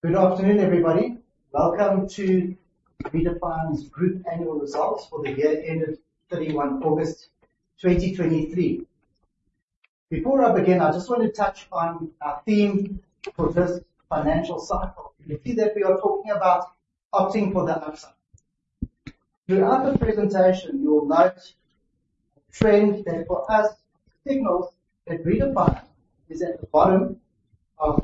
Good afternoon, everybody. Welcome to Redefine's group annual results for the year ended 31 August 2023. Before I begin, I just want to touch on our theme for this financial cycle. You'll see that we are talking about opting for the upside. Throughout the presentation, you'll note a trend that for us signals that Redefine is at the bottom of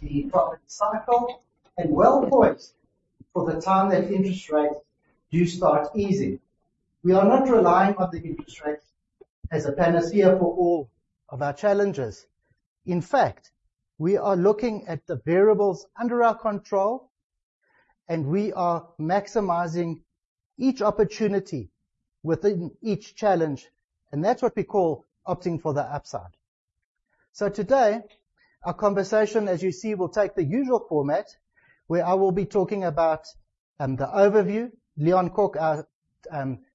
the property cycle and well poised for the time that interest rates do start easing. We are not relying on the interest rates as a panacea for all of our challenges. In fact, we are looking at the variables under our control, and we are maximizing each opportunity within each challenge, and that's what we call opting for the upside. Today, our conversation, as you see, will take the usual format, where I will be talking about the overview. Leon Kok, our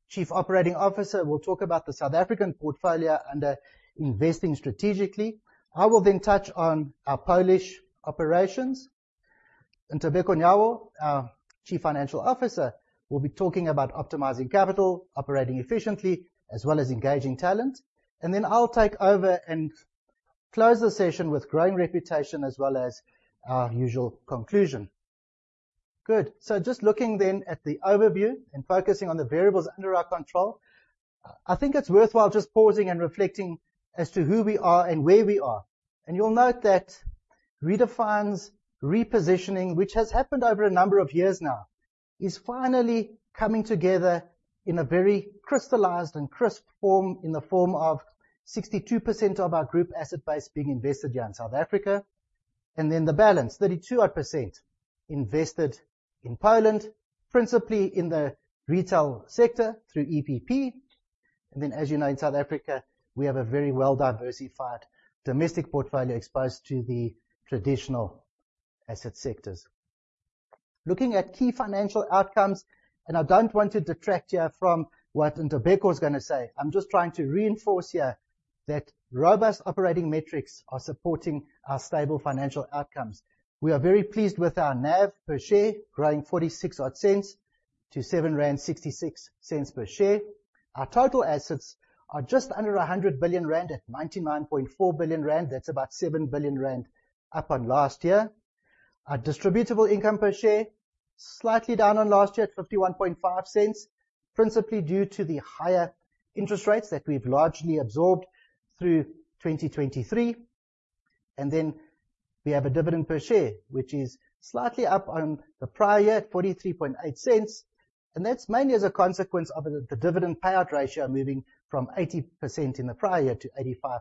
Chief Operating Officer, will talk about the South African portfolio under investing strategically. I will then touch on our Polish operations. Ntobeko Nyawo, our Chief Financial Officer, will be talking about optimizing capital, operating efficiently, as well as engaging talent. Then I'll take over and close the session with growing reputation as well as our usual conclusion. Good. Just looking then at the overview and focusing on the variables under our control, I think it's worthwhile just pausing and reflecting as to who we are and where we are. You'll note that Redefine's repositioning, which has happened over a number of years now, is finally coming together in a very crystallized and crisp form, in the form of 62% of our group asset base being invested here in South Africa, and then the balance, 32 odd %, invested in Poland, principally in the retail sector through EPP. As you know, in South Africa, we have a very well-diversified domestic portfolio exposed to the traditional asset sectors. Looking at key financial outcomes, and I don't want to detract here from what Ntobeko is gonna say. I'm just trying to reinforce here that robust operating metrics are supporting our stable financial outcomes. We are very pleased with our NAV per share, growing 0.46 odd to 7.66 rand per share. Our total assets are just under 100 billion rand, at 99.4 billion rand. That's about 7 billion rand up on last year. Our distributable income per share, slightly down on last year at 0.515, principally due to the higher interest rates that we've largely absorbed through 2023. We have a dividend per share, which is slightly up on the prior year at 0.438, and that's mainly as a consequence of the dividend payout ratio moving from 80% in the prior year to 85%.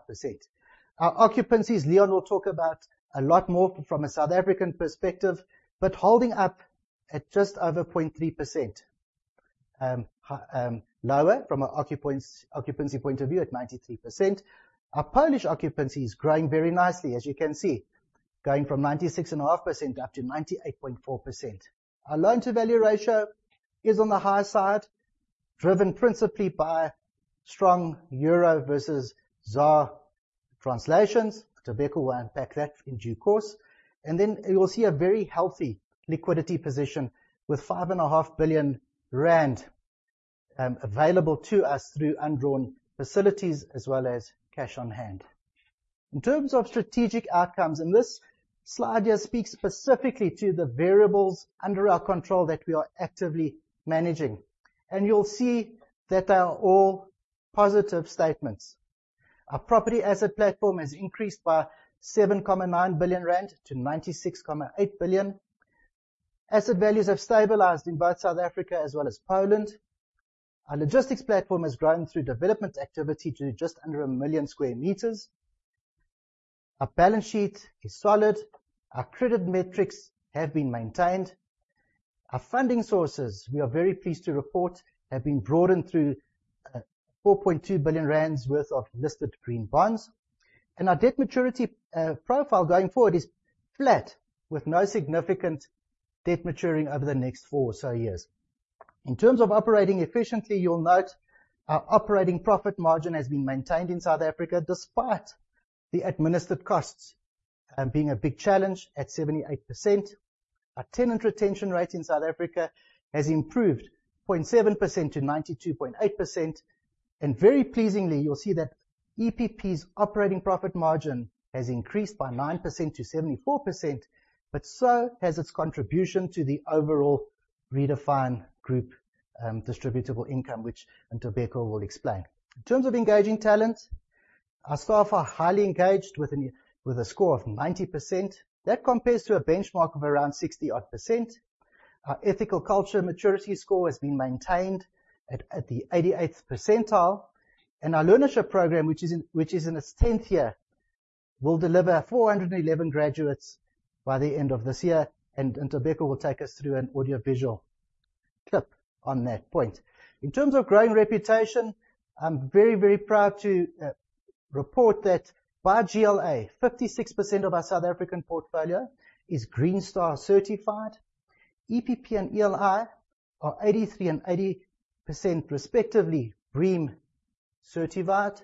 Our occupancies, Leon will talk about a lot more from a South African perspective, but holding up at just over 93.3%, lower from an occupancy point of view at 93%. Our Polish occupancy is growing very nicely, as you can see, going from 96.5% up to 98.4%. Our loan-to-value ratio is on the high side, driven principally by strong euro versus ZAR translations. Ntobeko will unpack that in due course. You will see a very healthy liquidity position with 5.5 billion rand available to us through undrawn facilities as well as cash on hand. In terms of strategic outcomes, and this slide here speaks specifically to the variables under our control that we are actively managing, and you'll see that they are all positive statements. Our property asset platform has increased by 7.9 billion rand to 96.8 billion. Asset values have stabilized in both South Africa as well as Poland. Our logistics platform has grown through development activity to just under 1 million sq m. Our balance sheet is solid. Our credit metrics have been maintained. Our funding sources, we are very pleased to report, have been broadened through 4.2 billion rand worth of listed green bonds. Our debt maturity profile going forward is flat, with no significant debt maturing over the next four or so years. In terms of operating efficiently, you'll note our operating profit margin has been maintained in South Africa despite the administered costs being a big challenge at 78%. Our tenant retention rate in South Africa has improved 0.7% to 92.8%. Very pleasingly, you'll see that EPP's operating profit margin has increased by 9% to 74%, but so has its contribution to the overall Redefine Group distributable income, which Ntobeko will explain. In terms of engaging talent, our staff are highly engaged with a score of 90%. That compares to a benchmark of around 60-odd%. Our ethical culture maturity score has been maintained at the 88th percentile. Our learnership program, which is in its 10th year, will deliver 411 graduates by the end of this year. Ntobeko will take us through an audio visual clip on that point. In terms of growing reputation, I'm very proud to report that by GLA, 56% of our South African portfolio is Green Star certified. EPP and ELI are 83% and 80% respectively BREEAM-certified.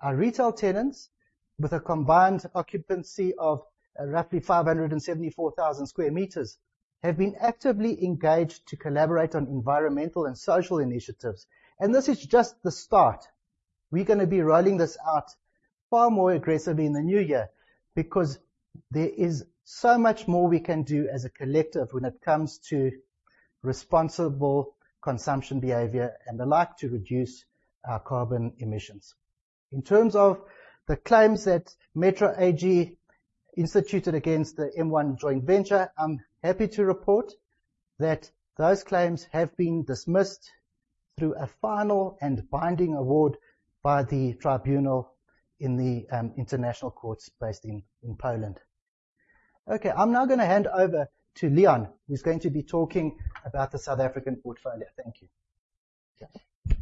Our retail tenants, with a combined occupancy of roughly 574,000 sq m, have been actively engaged to collaborate on environmental and social initiatives. This is just the start. We're gonna be rolling this out far more aggressively in the new year because there is so much more we can do as a collective when it comes to responsible consumption behavior and the like, to reduce our carbon emissions. In terms of the claims that Metro AG instituted against the M1 joint venture, I'm happy to report that those claims have been dismissed through a final and binding award by the tribunal in the international courts based in Poland. Okay. I'm now gonna hand over to Leon, who's going to be talking about the South African portfolio. Thank you.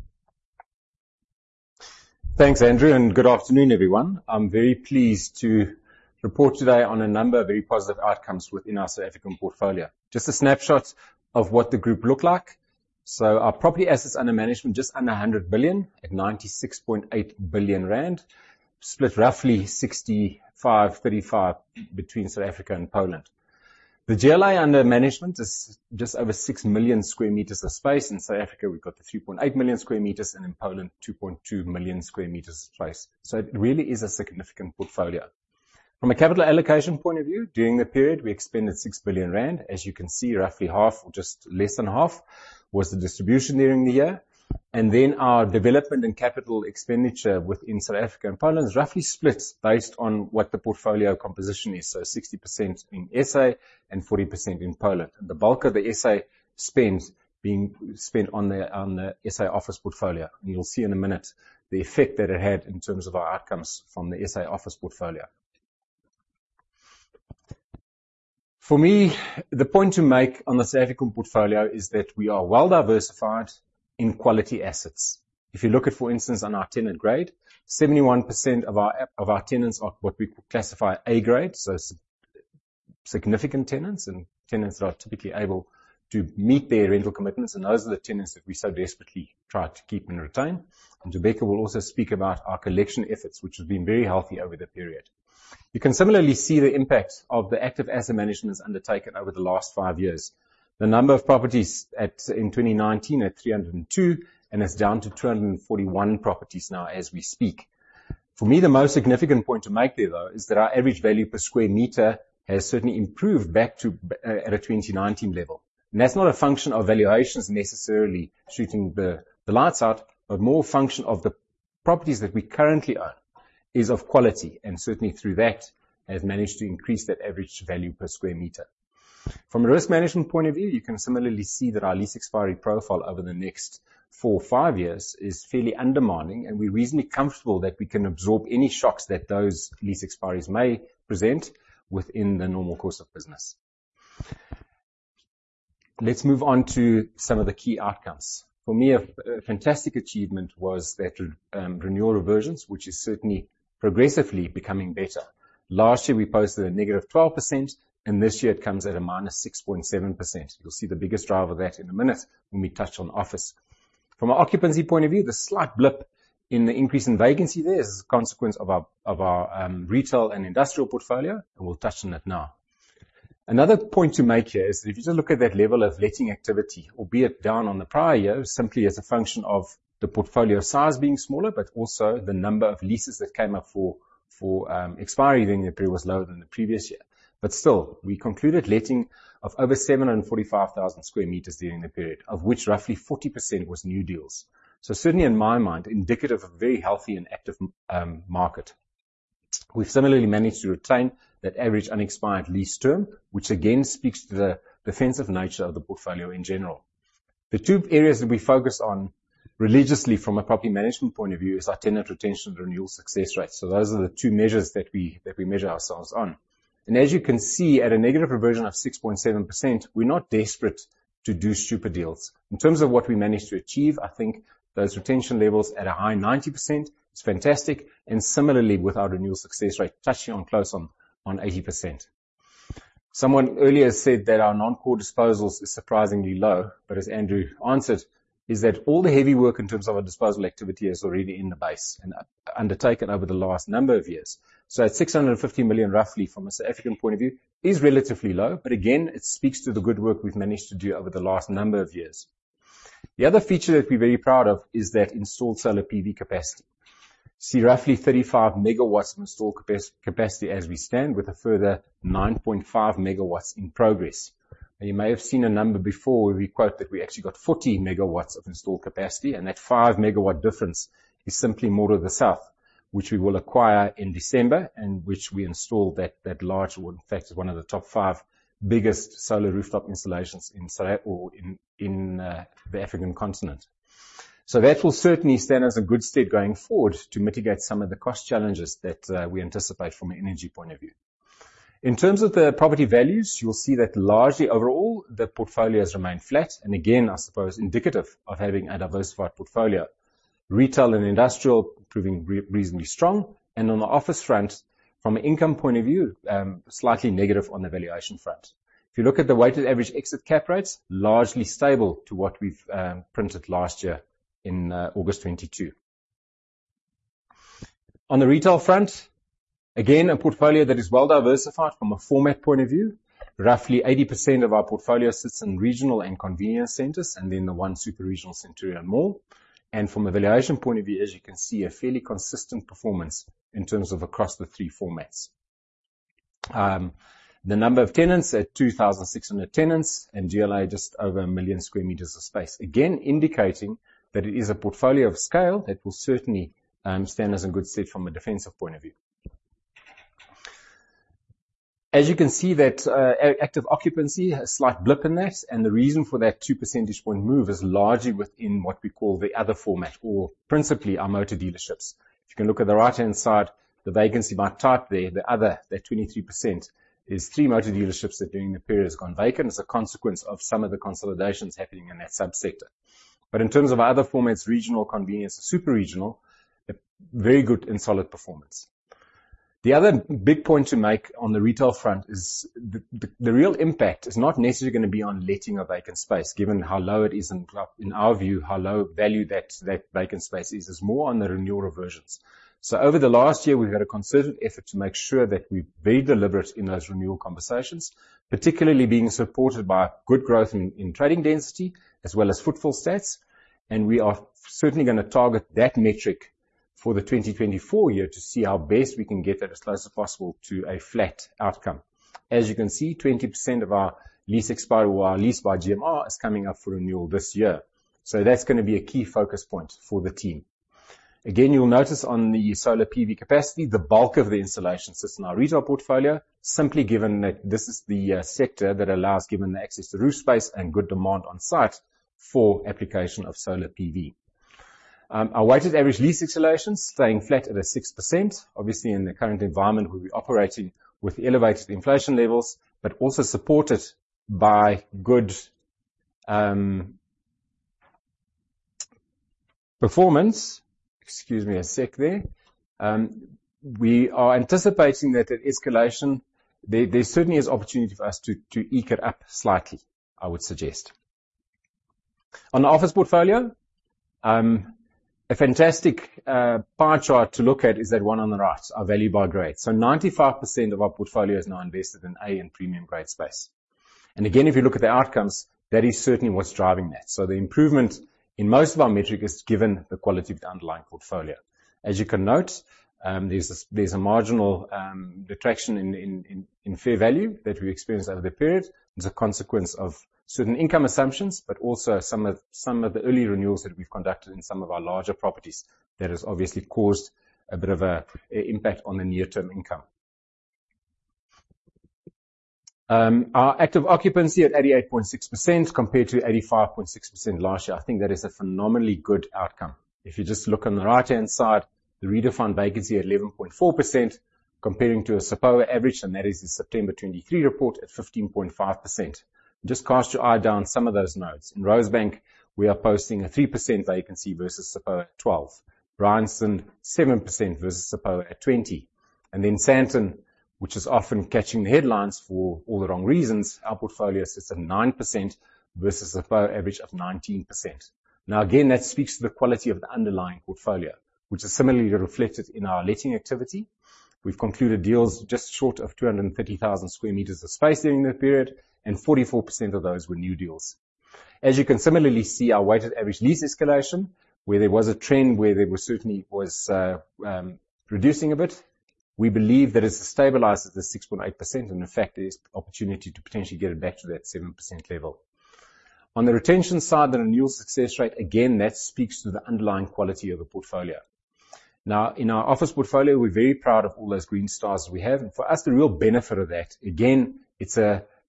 Thanks, Andrew, and good afternoon, everyone. I'm very pleased to report today on a number of very positive outcomes within our South African portfolio. Just a snapshot of what the group look like. Our property assets under management, just under 100 billion at 96.8 billion rand, split roughly 65%-35% between South Africa and Poland. The GLA under management is just over 6 million sq m of space. In South Africa, we've got 3.8 million sq m, and in Poland, 2.2 million sq m of space. It really is a significant portfolio. From a capital allocation point of view, during the period we expended 6 billion rand. As you can see, roughly 1/2, or just less than 1/2, was the distribution during the year. Our development and capital expenditure within South Africa and Poland is roughly split based on what the portfolio composition is, so 60% in SA and 40% in Poland. The bulk of the SA spend being spent on the SA office portfolio, and you'll see in a minute the effect that it had in terms of our outcomes from the SA office portfolio. For me, the point to make on the South African portfolio is that we are well diversified in quality assets. If you look at, for instance, on our tenant grade, 71% of our tenants are what we classify A grade, so significant tenants and tenants that are typically able to meet their rental commitments, and those are the tenants that we so desperately try to keep and retain. Ntobeko Nyawo will also speak about our collection efforts, which have been very healthy over the period. You can similarly see the impact of the active asset management that's undertaken over the last five years. The number of properties at, in 2019 at 302, and it's down to 241 properties now as we speak. For me, the most significant point to make there, though, is that our average value per sq m has certainly improved back to, at a 2019 level. That's not a function of valuations necessarily shooting the lights out, but more a function of the properties that we currently own is of quality, and certainly through that, have managed to increase that average value per square metre. From a risk management point of view, you can similarly see that our lease expiry profile over the next four or five years is fairly undemanding, and we're reasonably comfortable that we can absorb any shocks that those lease expiries may present within the normal course of business. Let's move on to some of the key outcomes. For me, a fantastic achievement was that renewal reversions, which is certainly progressively becoming better. Last year, we posted a negative 12%, and this year it comes at a minus 6.7%. You'll see the biggest driver of that in a minute when we touch on office. From an occupancy point of view, the slight blip in the increase in vacancy there is a consequence of our retail and industrial portfolio, and we'll touch on that now. Another point to make here is that if you just look at that level of letting activity, albeit down on the prior year, simply as a function of the portfolio size being smaller, but also the number of leases that came up for expiry during the period was lower than the previous year. Still, we concluded letting of over 745,000 sq m during the period, of which roughly 40% was new deals. Certainly in my mind, indicative of a very healthy and active market. We've similarly managed to retain that average unexpired lease term, which again speaks to the defensive nature of the portfolio in general. The two areas that we focus on religiously from a property management point of view is our tenant retention and renewal success rates. Those are the two measures that we measure ourselves on. As you can see, at a negative reversion of 6.7%, we're not desperate to do stupid deals. In terms of what we managed to achieve, I think those retention levels at a high 90% is fantastic, and similarly with our renewal success rate touching on close on 80%. Someone earlier said that our non-core disposals is surprisingly low, but as Andrew answered, is that all the heavy work in terms of our disposal activity is already in the base and undertaken over the last number of years. At 650 million, roughly, from a South African point of view, is relatively low, but again, it speaks to the good work we've managed to do over the last number of years. The other feature that we're very proud of is that installed solar PV capacity, roughly 35 MW of installed capacity as we stand with a further 9.5 MW in progress. Now, you may have seen a number before we quote that we actually got 40 MW of installed capacity, and that 5-MW difference is simply more to the south, which we will acquire in December, and which we installed that large, in fact, one of the top five biggest solar rooftop installations in South Africa or in the African continent. That will certainly stand us in good stead going forward to mitigate some of the cost challenges that we anticipate from an energy point of view. In terms of the property values, you'll see that largely overall, the portfolio has remained flat, and again, I suppose, indicative of having a diversified portfolio. Retail and industrial proving reasonably strong, and on the office front. From an income point of view, slightly negative on the valuation front. If you look at the weighted average exit cap rates, largely stable to what we've printed last year in August 2022. On the retail front, again, a portfolio that is well diversified from a format point of view. Roughly 80% of our portfolio sits in regional and convenience centers, and then the one super regional Centurion Mall. From a valuation point of view, as you can see, a fairly consistent performance in terms of across the three formats. The number of tenants at 2,600 tenants and GLA just over 1 million sq m of space. Again, indicating that it is a portfolio of scale that will certainly stand us in good stead from a defensive point of view. As you can see that, active occupancy, a slight blip in that, and the reason for that two percentage point move is largely within what we call the other format, or principally our motor dealerships. If you can look at the right-hand side, the vacancy by type there, the other, that 23% is three motor dealerships that during the period has gone vacant as a consequence of some of the consolidations happening in that subsector. In terms of our other formats, regional, convenience, super regional, a very good and solid performance. The other big point to make on the retail front is the real impact is not necessarily gonna be on letting a vacant space, given how low it is and in our view, how low value that vacant space is. It's more on the renewal reversions. Over the last year, we've made a concerted effort to make sure that we be deliberate in those renewal conversations, particularly being supported by good growth in trading density as well as footfall stats. We are certainly gonna target that metric for the 2024 year to see how best we can get that as close as possible to a flat outcome. As you can see, 20% of our lease expiry or our lease by GMR is coming up for renewal this year. That's gonna be a key focus point for the team. Again, you'll notice on the solar PV capacity, the bulk of the installation sits in our retail portfolio, simply given that this is the sector that allows, given the access to roof space and good demand on site for application of solar PV. Our weighted average lease escalation staying flat at 6%. Obviously, in the current environment, we'll be operating with elevated inflation levels, but also supported by good performance. Excuse me a sec there. We are anticipating that at escalation, there certainly is opportunity for us to eke it up slightly, I would suggest. On the office portfolio, a fantastic pie chart to look at is that one on the right, our value by grade. 95% of our portfolio is now invested in A and premium grade space. Again, if you look at the outcomes, that is certainly what's driving that. The improvement in most of our metric is given the quality of the underlying portfolio. As you can note, there's a marginal detraction in fair value that we experienced over the period as a consequence of certain income assumptions, but also some of the early renewals that we've conducted in some of our larger properties. That has obviously caused a bit of an impact on the near term income. Our active occupancy at 88.6% compared to 85.6% last year. I think that is a phenomenally good outcome. If you just look on the right-hand side, the Redefine vacancy at 11.4% compared to a SAPOA average, and that is the September 2023 report at 15.5%. Just cast your eye down some of those notes. In Rosebank, we are posting a 3% vacancy versus SAPOA at 12%. Bryanston, 7% versus SEPO at 20%. Sandton, which is often catching the headlines for all the wrong reasons, our portfolio sits at 9% versus SEPO average of 19%. Now again, that speaks to the quality of the underlying portfolio, which is similarly reflected in our letting activity. We've concluded deals just short of 230,000 sq m of space during that period, and 44% of those were new deals. As you can similarly see, our weighted average lease escalation, where there was a trend certainly reducing a bit. We believe that it's stabilized at the 6.8%, and in fact, there's opportunity to potentially get it back to that 7% level. On the retention side, the renewal success rate, again, that speaks to the underlying quality of a portfolio. Now, in our office portfolio, we're very proud of all those Green Stars we have. For us, the real benefit of that, again,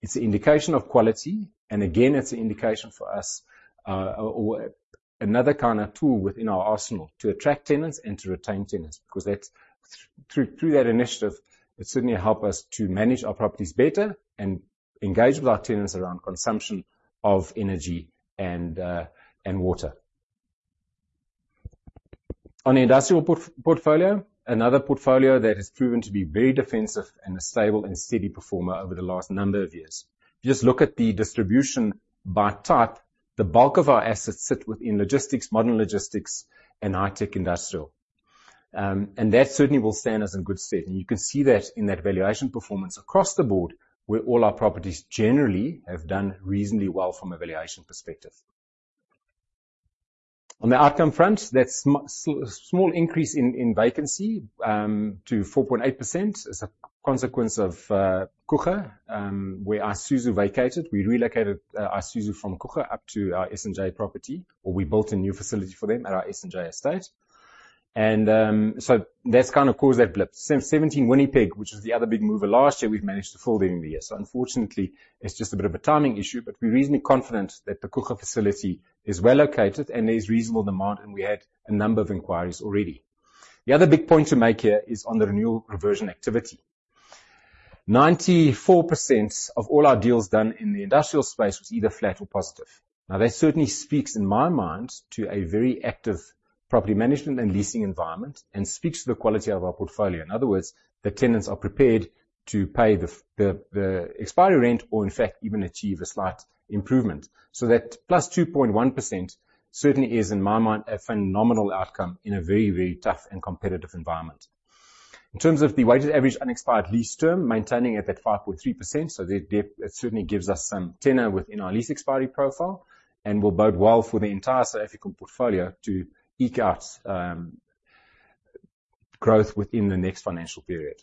it's an indication of quality, and again, it's an indication for us, or another kind of tool within our arsenal to attract tenants and to retain tenants, because that's through that initiative, it certainly help us to manage our properties better and engage with our tenants around consumption of energy and water. On the industrial portfolio, another portfolio that has proven to be very defensive and a stable and steady performer over the last number of years. If you just look at the distribution by type, the bulk of our assets sit within logistics, modern logistics, and high-tech industrial. That certainly will stand us in good stead. You can see that in that valuation performance across the board, where all our properties generally have done reasonably well from a valuation perspective. On the outcome front, that small increase in vacancy to 4.8% is a consequence of Gugu, where Isuzu vacated. We relocated Isuzu from Gugu up to our S&J property, or we built a new facility for them at our S&J estate. So that's kind of caused that blip. Seventeen Winnipeg, which was the other big mover last year, we've managed to fill during the year. Unfortunately, it's just a bit of a timing issue, but we're reasonably confident that the Gugu facility is well located and there's reasonable demand, and we had a number of inquiries already. The other big point to make here is on the renewal reversion activity. 94% of all our deals done in the industrial space was either flat or positive. Now, that certainly speaks, in my mind, to a very active property management and leasing environment and speaks to the quality of our portfolio. In other words, the tenants are prepared to pay the expiry rent or in fact even achieve a slight improvement. That +2.1% certainly is, in my mind, a phenomenal outcome in a very, very tough and competitive environment. In terms of the weighted average unexpired lease term, maintaining it at 5.3%. That certainly gives us some tenure within our lease expiry profile and will bode well for the entire South African portfolio to eke out growth within the next financial period.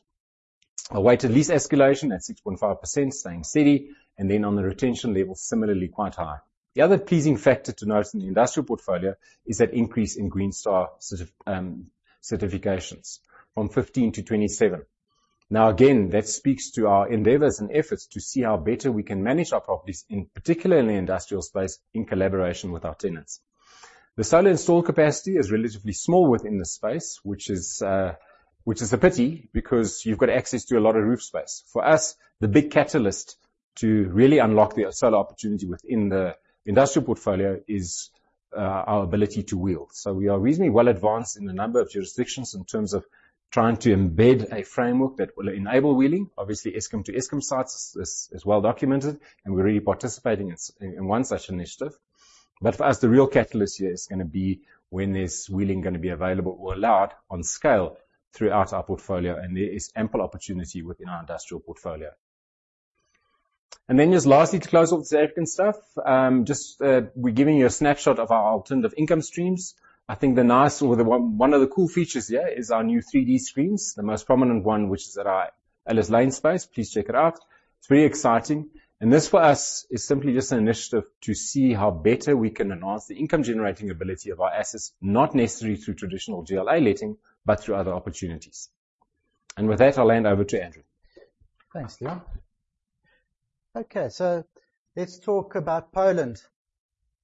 A weighted lease escalation at 6.5%, staying steady, and then on the retention level, similarly quite high. The other pleasing factor to note in the industrial portfolio is that increase in Green Star certifications from 15 to 27. Again, that speaks to our endeavors and efforts to see how better we can manage our properties in, particularly in the industrial space, in collaboration with our tenants. The solar install capacity is relatively small within this space, which is a pity because you've got access to a lot of roof space. For us, the big catalyst to really unlock the solar opportunity within the industrial portfolio is our ability to wheel. We are reasonably well advanced in a number of jurisdictions in terms of trying to embed a framework that will enable wheeling. Obviously, Eskom-to-Eskom sites is well documented, and we're already participating in one such initiative. For us, the real catalyst here is gonna be when there's wheeling gonna be available or allowed on scale throughout our portfolio, and there is ample opportunity within our industrial portfolio. Just lastly, to close off the South African stuff, we're giving you a snapshot of our alternative income streams. I think one of the cool features here is our new 3D screens, the most prominent one which is at our Alice Lane space. Please check it out. It's very exciting. This for us is simply just an initiative to see how better we can enhance the income generating ability of our assets, not necessarily through traditional GLA letting, but through other opportunities. With that, I'll hand over to Andrew. Thanks, Leon. Okay, let's talk about Poland.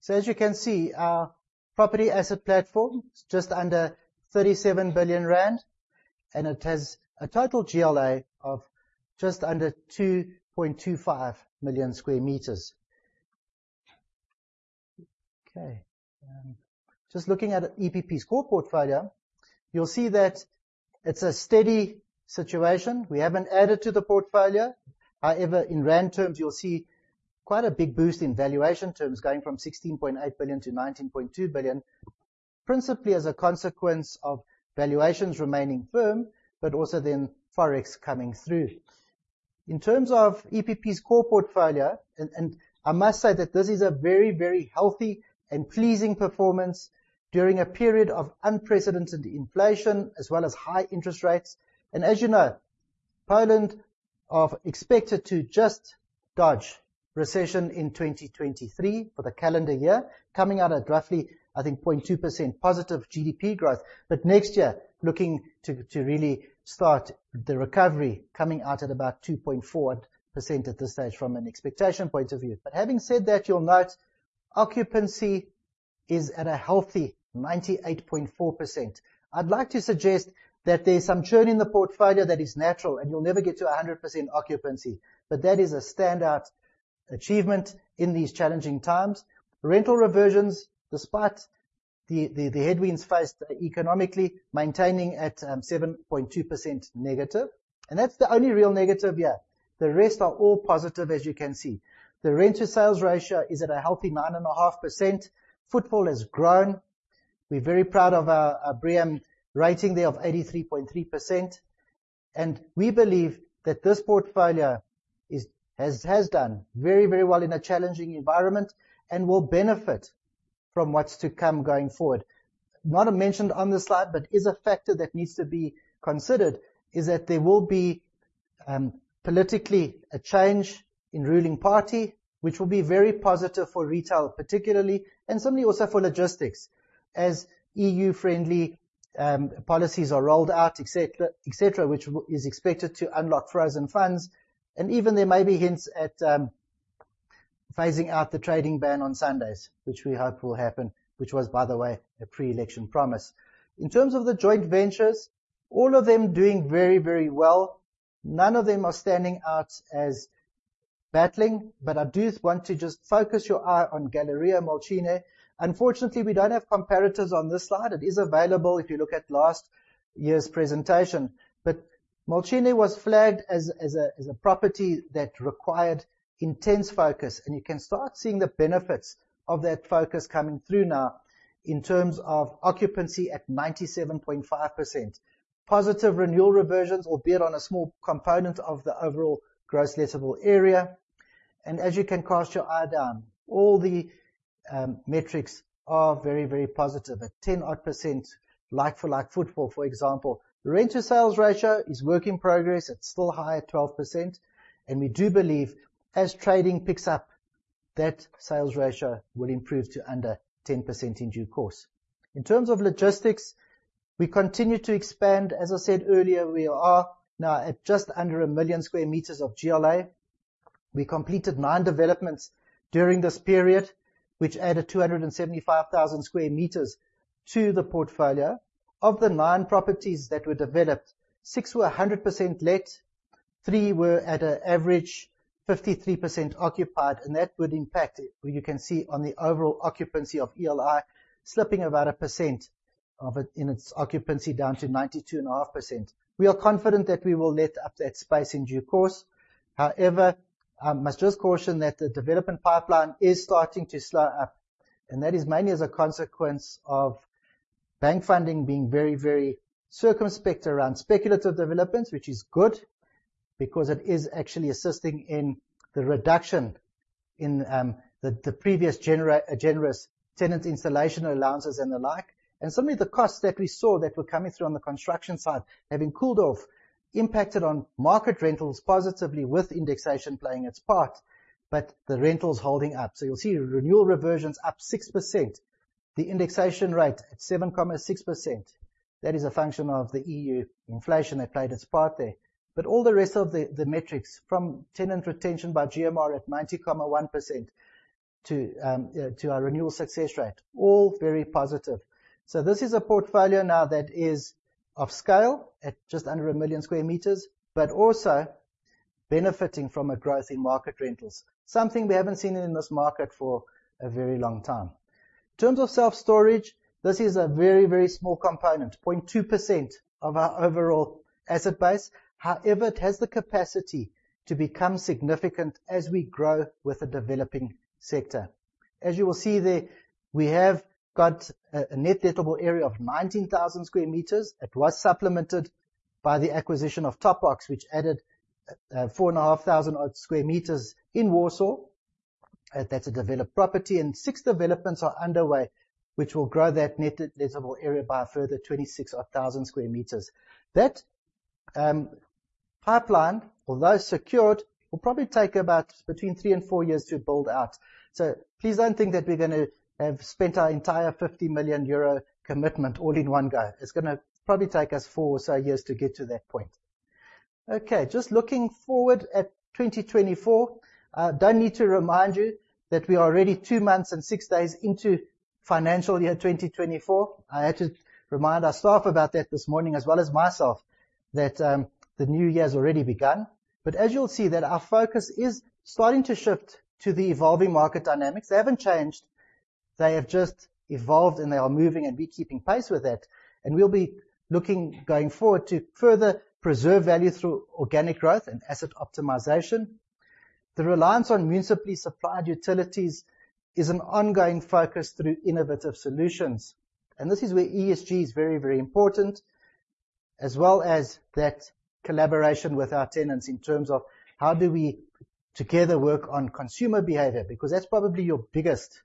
As you can see, our property asset platform is just under 37 billion rand, and it has a total GLA of just under 2.25 million sq m. Okay. Just looking at EPP's core portfolio, you'll see that it's a steady situation. We haven't added to the portfolio. However, in rand terms, you'll see quite a big boost in valuation terms going from 16.8 billion to 19.2 billion, principally as a consequence of valuations remaining firm, but also then Forex coming through. In terms of EPP's core portfolio, and I must say that this is a very, very healthy and pleasing performance during a period of unprecedented inflation as well as high interest rates. As you know, Poland is expected to just dodge recession in 2023 for the calendar year, coming out at roughly, I think, 0.2% positive GDP growth. Next year, looking to really start the recovery, coming out at about 2.4% at this stage from an expectation point of view. Having said that, you'll note occupancy is at a healthy 98.4%. I'd like to suggest that there's some churn in the portfolio that is natural, and you'll never get to 100% occupancy. That is a standout achievement in these challenging times. Rental reversions, despite the headwinds faced economically, maintaining at 7.2% negative. That's the only real negative here. The rest are all positive, as you can see. The rent to sales ratio is at a healthy 9.5%. Footfall has grown. We're very proud of our BREEAM rating there of 83.3%. We believe that this portfolio has done very well in a challenging environment and will benefit from what's to come going forward. Not mentioned on the slide, but is a factor that needs to be considered, is that there will be politically a change in ruling party, which will be very positive for retail particularly, and certainly also for logistics as EU-friendly policies are rolled out, et cetera, et cetera, which is expected to unlock frozen funds. Even there may be hints at phasing out the trading ban on Sundays, which we hope will happen, which was, by the way, a pre-election promise. In terms of the joint ventures, all of them doing very, very well. None of them are standing out as battling, but I do want to just focus your eye on Galeria Młociny. Unfortunately, we don't have comparatives on this slide. It is available if you look at last year's presentation. Młociny was flagged as a property that required intense focus, and you can start seeing the benefits of that focus coming through now in terms of occupancy at 97.5%. Positive renewal reversions, albeit on a small component of the overall gross leasable area, and as you can cast your eye down, all the metrics are very, very positive. At 10% like-for-like footfall, for example. Rent to sales ratio is work in progress. It's still high at 12%. We do believe as trading picks up, that sales ratio will improve to under 10% in due course. In terms of logistics, we continue to expand. As I said earlier, we are now at just under 1 million sq m of GLA. We completed nine developments during this period, which added 275,000 sq m to the portfolio. Of the nine properties that were developed, six were 100% let, three were at an average 53% occupied, and that would impact it, where you can see on the overall occupancy of ELI slipping about 1%, in its occupancy down to 92.5%. We are confident that we will let up that space in due course. However, I must just caution that the development pipeline is starting to slow up, and that is mainly as a consequence of bank funding being very, very circumspect around speculative developments, which is good because it is actually assisting in the reduction in the previous generous tenant installation allowances and the like. Suddenly the costs that we saw that were coming through on the construction side have been cooled off, impacted on market rentals positively with indexation playing its part, but the rentals holding up. You'll see renewal reversions up 6%, the indexation rate at 7.6%. That is a function of the EU inflation that played its part there. All the rest of the metrics from tenant retention by GMR at 90.1% to our renewal success rate, all very positive. This is a portfolio now that is of scale at just under 1 million sq m, but also benefiting from a growth in market rentals, something we haven't seen in this market for a very long time. In terms of self-storage, this is a very, very small component, 0.2% of our overall asset base. However, it has the capacity to become significant as we grow with the developing sector. As you will see there, we have got a net lettable area of 19,000 sq m. It was supplemented by the acquisition of TopBox, which added 4,500-odd sq m in Warsaw. That's a developed property. Six developments are underway, which will grow that net lettable area by a further 26,000-odd sq m. That pipeline, although secured, will probably take between three and four years to build out. Please don't think that we're gonna have spent our entire 50 million euro commitment all in one go. It's gonna probably take us four, say, years to get to that point. Okay, just looking forward at 2024. I don't need to remind you that we are already two months and six days into FY 2024. I had to remind our staff about that this morning as well as myself, that the new year has already begun. As you'll see, our focus is starting to shift to the evolving market dynamics. They haven't changed, they have just evolved, and they are moving, and we're keeping pace with that. We'll be looking, going forward, to further preserve value through organic growth and asset optimization. The reliance on municipally supplied utilities is an ongoing focus through innovative solutions. This is where ESG is very, very important, as well as that collaboration with our tenants in terms of how do we together work on consumer behavior, because that's probably your biggest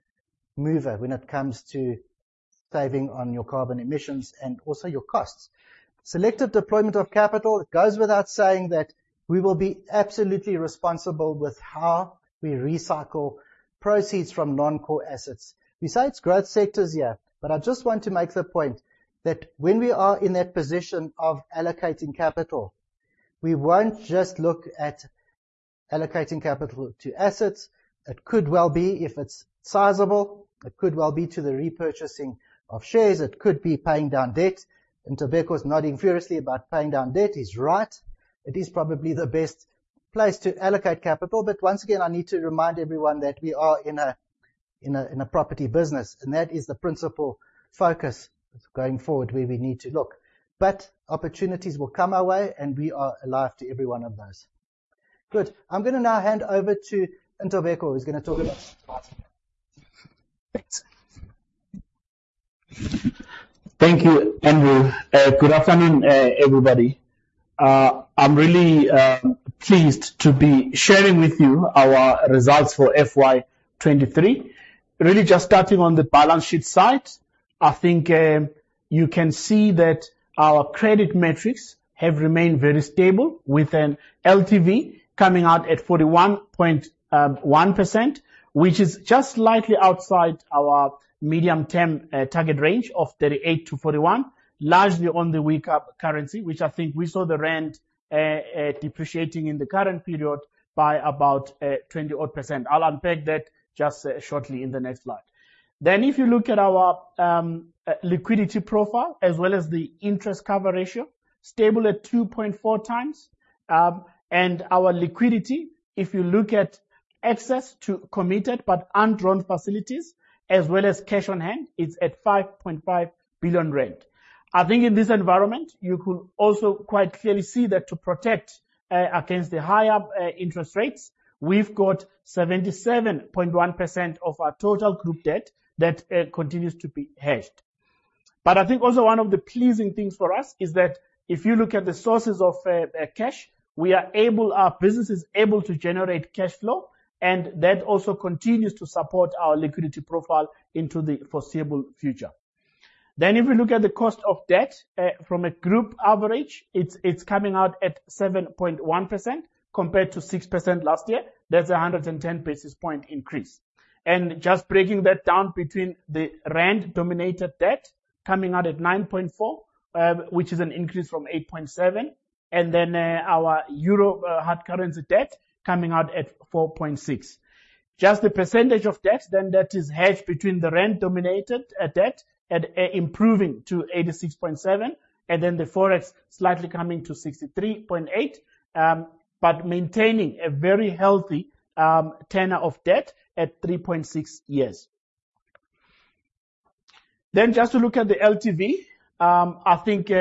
mover when it comes to saving on your carbon emissions and also your costs. Selective deployment of capital. It goes without saying that we will be absolutely responsible with how we recycle proceeds from non-core assets. Besides growth sectors, yeah, but I just want to make the point that when we are in that position of allocating capital, we won't just look at allocating capital to assets. It could well be if it's sizable, it could well be to the repurchasing of shares, it could be paying down debt. Ntobeko was nodding furiously about paying down debt. He's right. It is probably the best place to allocate capital. Once again, I need to remind everyone that we are in a property business, and that is the principal focus going forward, where we need to look. Opportunities will come our way and we are alive to every one of those. Good. I'm gonna now hand over to Ntobeko, who's gonna talk about. Thanks. Thank you, Andrew. Good afternoon, everybody. I'm really pleased to be sharing with you our results for FY 2023. Really just starting on the balance sheet side, I think you can see that our credit metrics have remained very stable with an LTV coming out at 41.1%, which is just slightly outside our medium term target range of 38%-41%. Largely on the weak rand, which I think we saw the rand depreciating in the current period by about 20-odd%. I'll unpack that just shortly in the next slide. If you look at our liquidity profile as well as the interest cover ratio, stable at 2.4x. Our liquidity, if you look at access to committed but undrawn facilities as well as cash on hand, it's at 5.5 billion rand. I think in this environment, you could also quite clearly see that to protect against the higher interest rates, we've got 77.1% of our total group debt that continues to be hedged. I think also one of the pleasing things for us is that if you look at the sources of cash, our business is able to generate cash flow, and that also continues to support our liquidity profile into the foreseeable future. If we look at the cost of debt from a group average, it's coming out at 7.1% compared to 6% last year. That's a 110 basis point increase. Just breaking that down between the rand-denominated debt coming out at 9.4%, which is an increase from 8.7%. Our euro hard currency debt coming out at 4.6%. Just the percentage of debt then that is hedged between the rand-denominated debt and improving to 86.7%, and then the Forex slightly coming to 63.8%, but maintaining a very healthy tenor of debt at 3.6 years. Just to look at the LTV, I think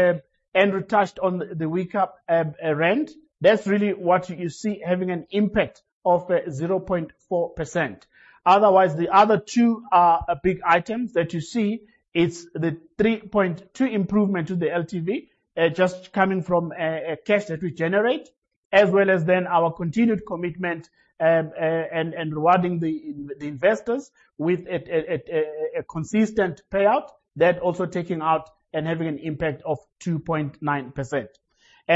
Andrew touched on the weaker rand. That's really what you see having an impact of 0.4%. Otherwise, the other two big items that you see, it's the 3.2 improvement to the LTV just coming from cash that we generate, as well as then our continued commitment and rewarding the investors with a consistent payout that also taking out and having an impact of 2.9%.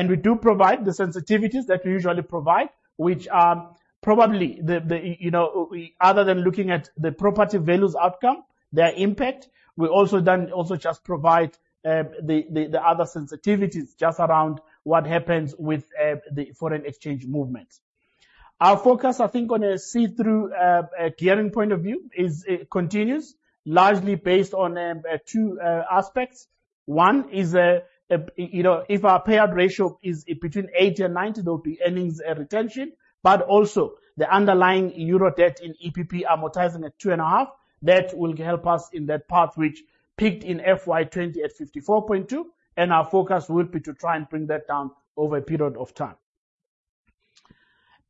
We do provide the sensitivities that we usually provide, which are probably the you know other than looking at the property values outcome, their impact, we also then also just provide the other sensitivities just around what happens with the foreign exchange movements. Our focus, I think, on a see-through gearing point of view is continues largely based on two aspects. One is, you know, if our payout ratio is between 80%-90%, there'll be earnings retention. Also the underlying euro debt in EPP amortizing at 2.5, that will help us in that path which peaked in FY 2020 at 54.2, and our focus will be to try and bring that down over a period of time.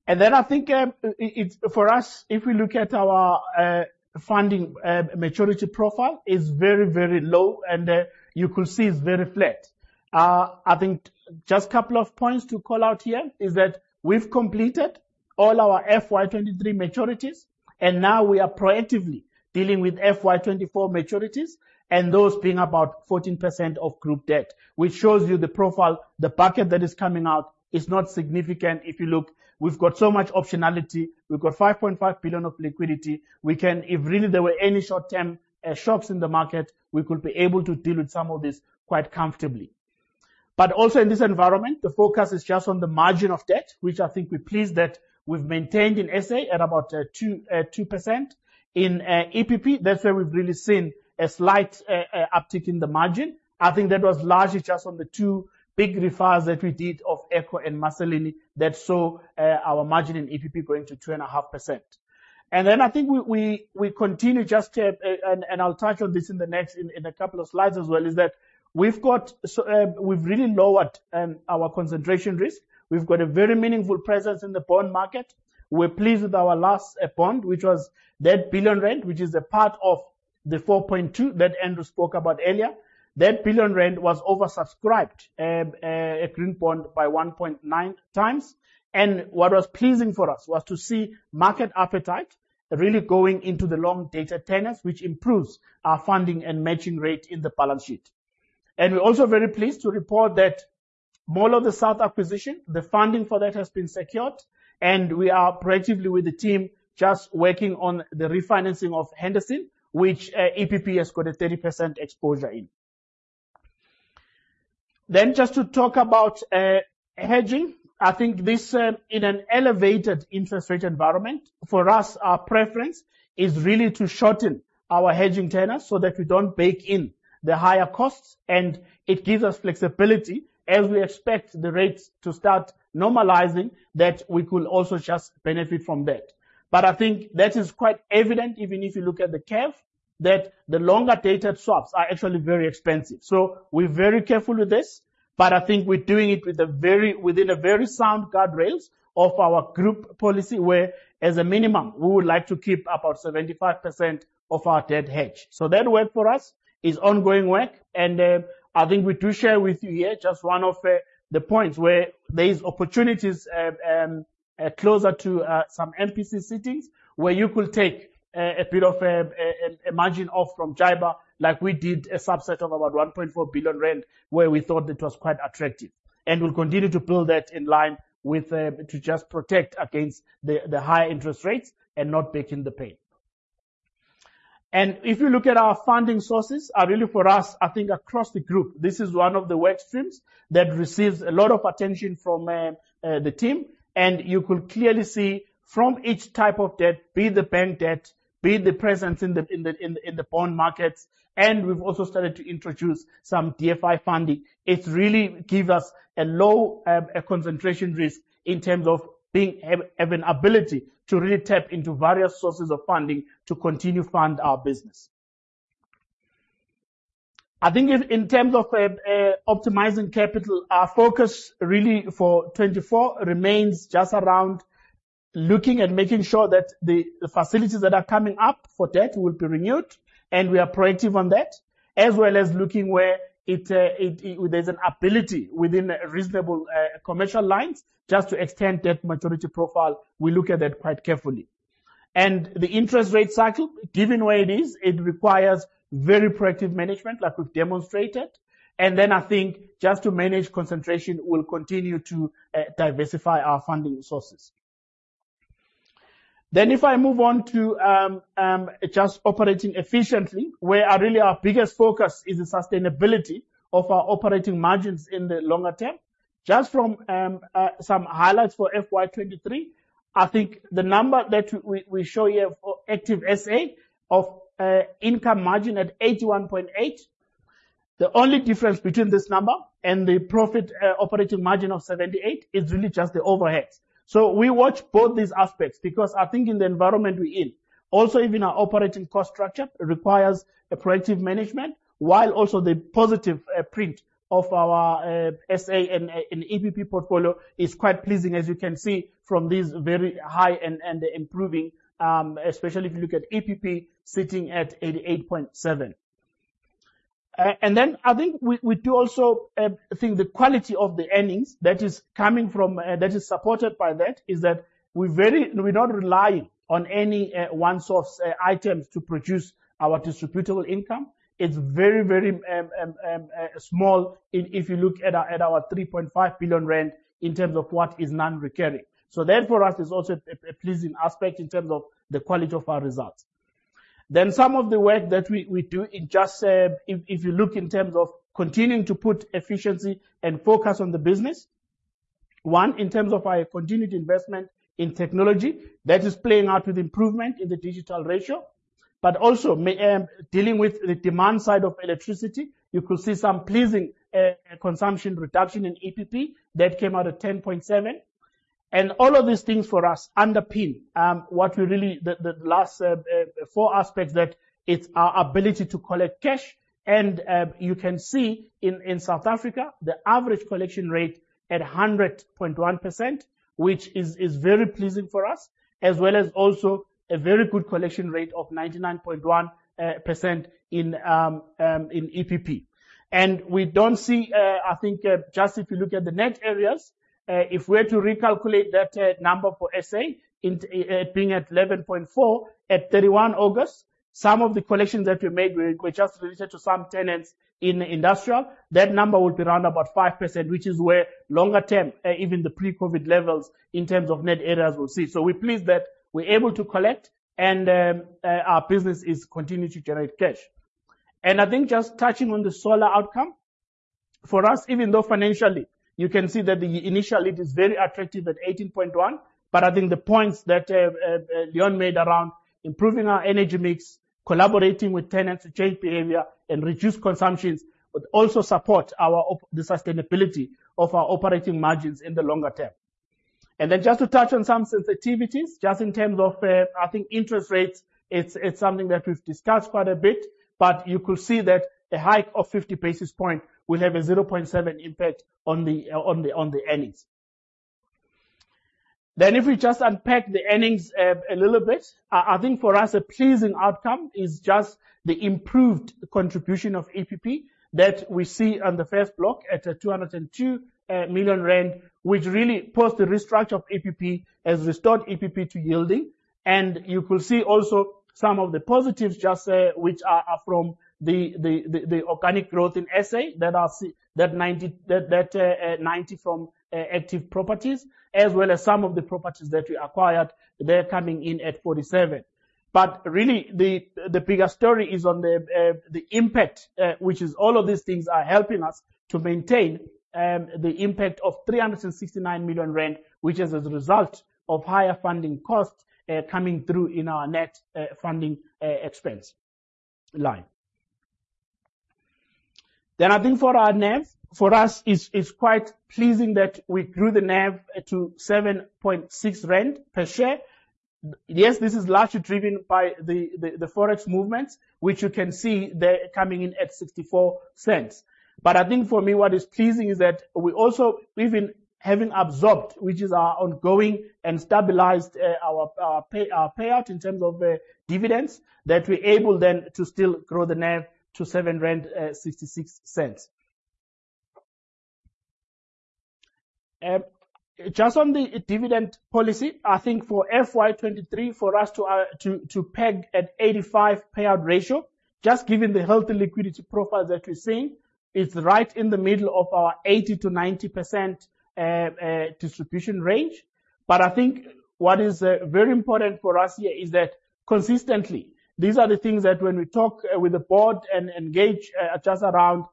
I think it's, for us, if we look at our funding maturity profile, it's very, very low, and you could see it's very flat. I think just couple of points to call out here is that we've completed all our FY 2023 maturities, and now we are proactively dealing with FY 2024 maturities and those being about 14% of group debt, which shows you the profile. The bucket that is coming out is not significant. If you look, we've got so much optionality. We've got 5.5 billion of liquidity. If really there were any short-term shocks in the market, we could be able to deal with some of this quite comfortably. Also in this environment, the focus is just on the margin of debt, which I think we're pleased that we've maintained in SA at about 2%. In EPP, that's where we've really seen a slight uptick in the margin. I think that was largely just on the two big refis that we did of Echo and Masilale that saw our margin in EPP going to 2.5%. Then I think we continue just, and I'll touch on this in the next, in a couple of slides as well, is that we've got, we've really lowered our concentration risk. We've got a very meaningful presence in the bond market. We're pleased with our last bond, which was 1 billion, which is a part of the 4.2 billion that Andrew spoke about earlier. That 1 billion was oversubscribed at green bond by 1.9x. What was pleasing for us was to see market appetite really going into the long-dated tenors, which improves our funding and matching rate in the balance sheet. We're also very pleased to report that Mall of the South acquisition, the funding for that has been secured, and we are proactively with the team just working on the refinancing of Henderson, which EPP has got a 30% exposure in. Just to talk about hedging. I think this, in an elevated interest rate environment, for us, our preference is really to shorten our hedging tenor so that we don't bake in the higher costs, and it gives us flexibility as we expect the rates to start normalizing that we could also just benefit from that. I think that is quite evident, even if you look at the curve, that the longer-dated swaps are actually very expensive. We're very careful with this, but I think we're doing it within a very sound guardrails of our group policy, where, as a minimum, we would like to keep about 75% of our debt hedged. That work for us is ongoing work, and I think we do share with you here just one of the points where there is opportunities closer to some MPC settings, where you could take a bit of a margin off from JIBAR like we did a subset of about 1.4 billion rand, where we thought it was quite attractive. We'll continue to build that in line with to just protect against the high interest rates and not bake in the pain. If you look at our funding sources, really for us, I think across the group, this is one of the work streams that receives a lot of attention from the team, and you could clearly see from each type of debt, be it the bank debt, be it the presence in the bond markets, and we've also started to introduce some DFI funding. It really give us a low concentration risk in terms of having an ability to really tap into various sources of funding to continue funding our business. I think in terms of optimizing capital, our focus really for 2024 remains just around looking and making sure that the facilities that are coming up for debt will be renewed, and we are proactive on that, as well as looking where there's an ability within reasonable commercial lines just to extend that maturity profile. We look at that quite carefully. The interest rate cycle, given where it is, requires very proactive management like we've demonstrated. I think just to manage concentration, we'll continue to diversify our funding sources. If I move on to just operating efficiently, where really our biggest focus is the sustainability of our operating margins in the longer term. Just from some highlights for FY 2023, I think the number that we show here for Active SA of income margin at 81.8%. The only difference between this number and the profit operating margin of 78% is really just the overheads. We watch both these aspects because I think in the environment we're in, also even our operating cost structure requires a proactive management, while also the positive footprint of our SA and EPP portfolio is quite pleasing, as you can see from these very high and improving, especially if you look at EPP sitting at 88.7%. I think we do also think the quality of the earnings that is supported by that is that we don't rely on any one-off items to produce our distributable income. It's very small if you look at our 3.5 billion rand in terms of what is non-recurring. That for us is also a pleasing aspect in terms of the quality of our results. Some of the work that we do in terms of just continuing to put efficiency and focus on the business. One, in terms of our continued investment in technology, that is playing out with improvement in the digital ratio. Also dealing with the demand side of electricity, you could see some pleasing consumption reduction in EPP that came out at 10.7. All of these things for us underpin what we really the last four aspects that it's our ability to collect cash. You can see in South Africa, the average collection rate at 100.1%, which is very pleasing for us, as well as also a very good collection rate of 99.1% in EPP. We don't see, I think, just if you look at the net arrears, if we're to recalculate that number for SA ending at 11.4 at 31 August. Some of the collections that we made, we just released it to some tenants in industrial. That number would be around about 5%, which is where longer term, even the pre-COVID levels in terms of net arrears we'll see. We're pleased that we're able to collect and, our business is continuing to generate cash. I think just touching on the solar outcome. For us, even though financially you can see that initially it is very attractive at 18.1%, but I think the points that, Leon made around improving our energy mix, collaborating with tenants to change behavior and reduce consumption, would also support the sustainability of our operating margins in the longer term. Just to touch on some sensitivities, just in terms of, I think interest rates, it's something that we've discussed quite a bit, but you could see that a hike of 50 basis point will have a 0.7 impact on the earnings. If we just unpack the earnings, a little bit, I think for us a pleasing outcome is just the improved contribution of EPP that we see on the first block at 202 million rand, which really post the restructure of EPP, has restored EPP to yielding. You could see also some of the positives just, which are from the organic growth in SA that 90 from Active Properties, as well as some of the properties that we acquired, they're coming in at 47. Really, the bigger story is on the impact, which is all of these things are helping us to maintain the impact of 369 million rand, which is as a result of higher funding costs coming through in our net funding expense line. I think for our NAV, for us it's quite pleasing that we grew the NAV to 7.6 rand per share. Yes, this is largely driven by the Forex movement, which you can see they're coming in at 0.64. I think for me, what is pleasing is that we also, even having absorbed, which is our ongoing and stabilized, our payout in terms of dividends, that we're able then to still grow the NAV to 7.66 rand. Just on the dividend policy, I think for FY 2023, for us to peg at 85% payout ratio, just given the healthy liquidity profile that we're seeing, it's right in the middle of our 80%-90% distribution range. I think what is very important for us here is that consistently, these are the things that when we talk with the board and engage just around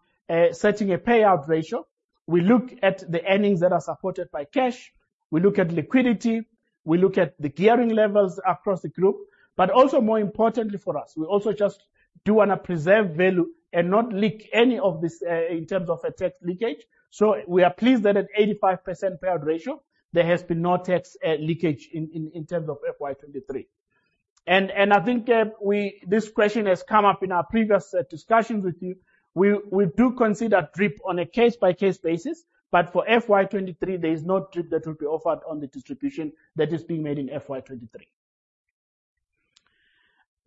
setting a payout ratio, we look at the earnings that are supported by cash, we look at liquidity, we look at the gearing levels across the group. But also more importantly for us, we also just do wanna preserve value and not leak any of this in terms of a tax leakage. So we are pleased that at 85% payout ratio, there has been no tax leakage in terms of FY 2023. I think this question has come up in our previous discussions with you. We do consider DRIP on a case-by-case basis, but for FY 2023, there is no DRIP that will be offered on the distribution that is being made in FY 2023.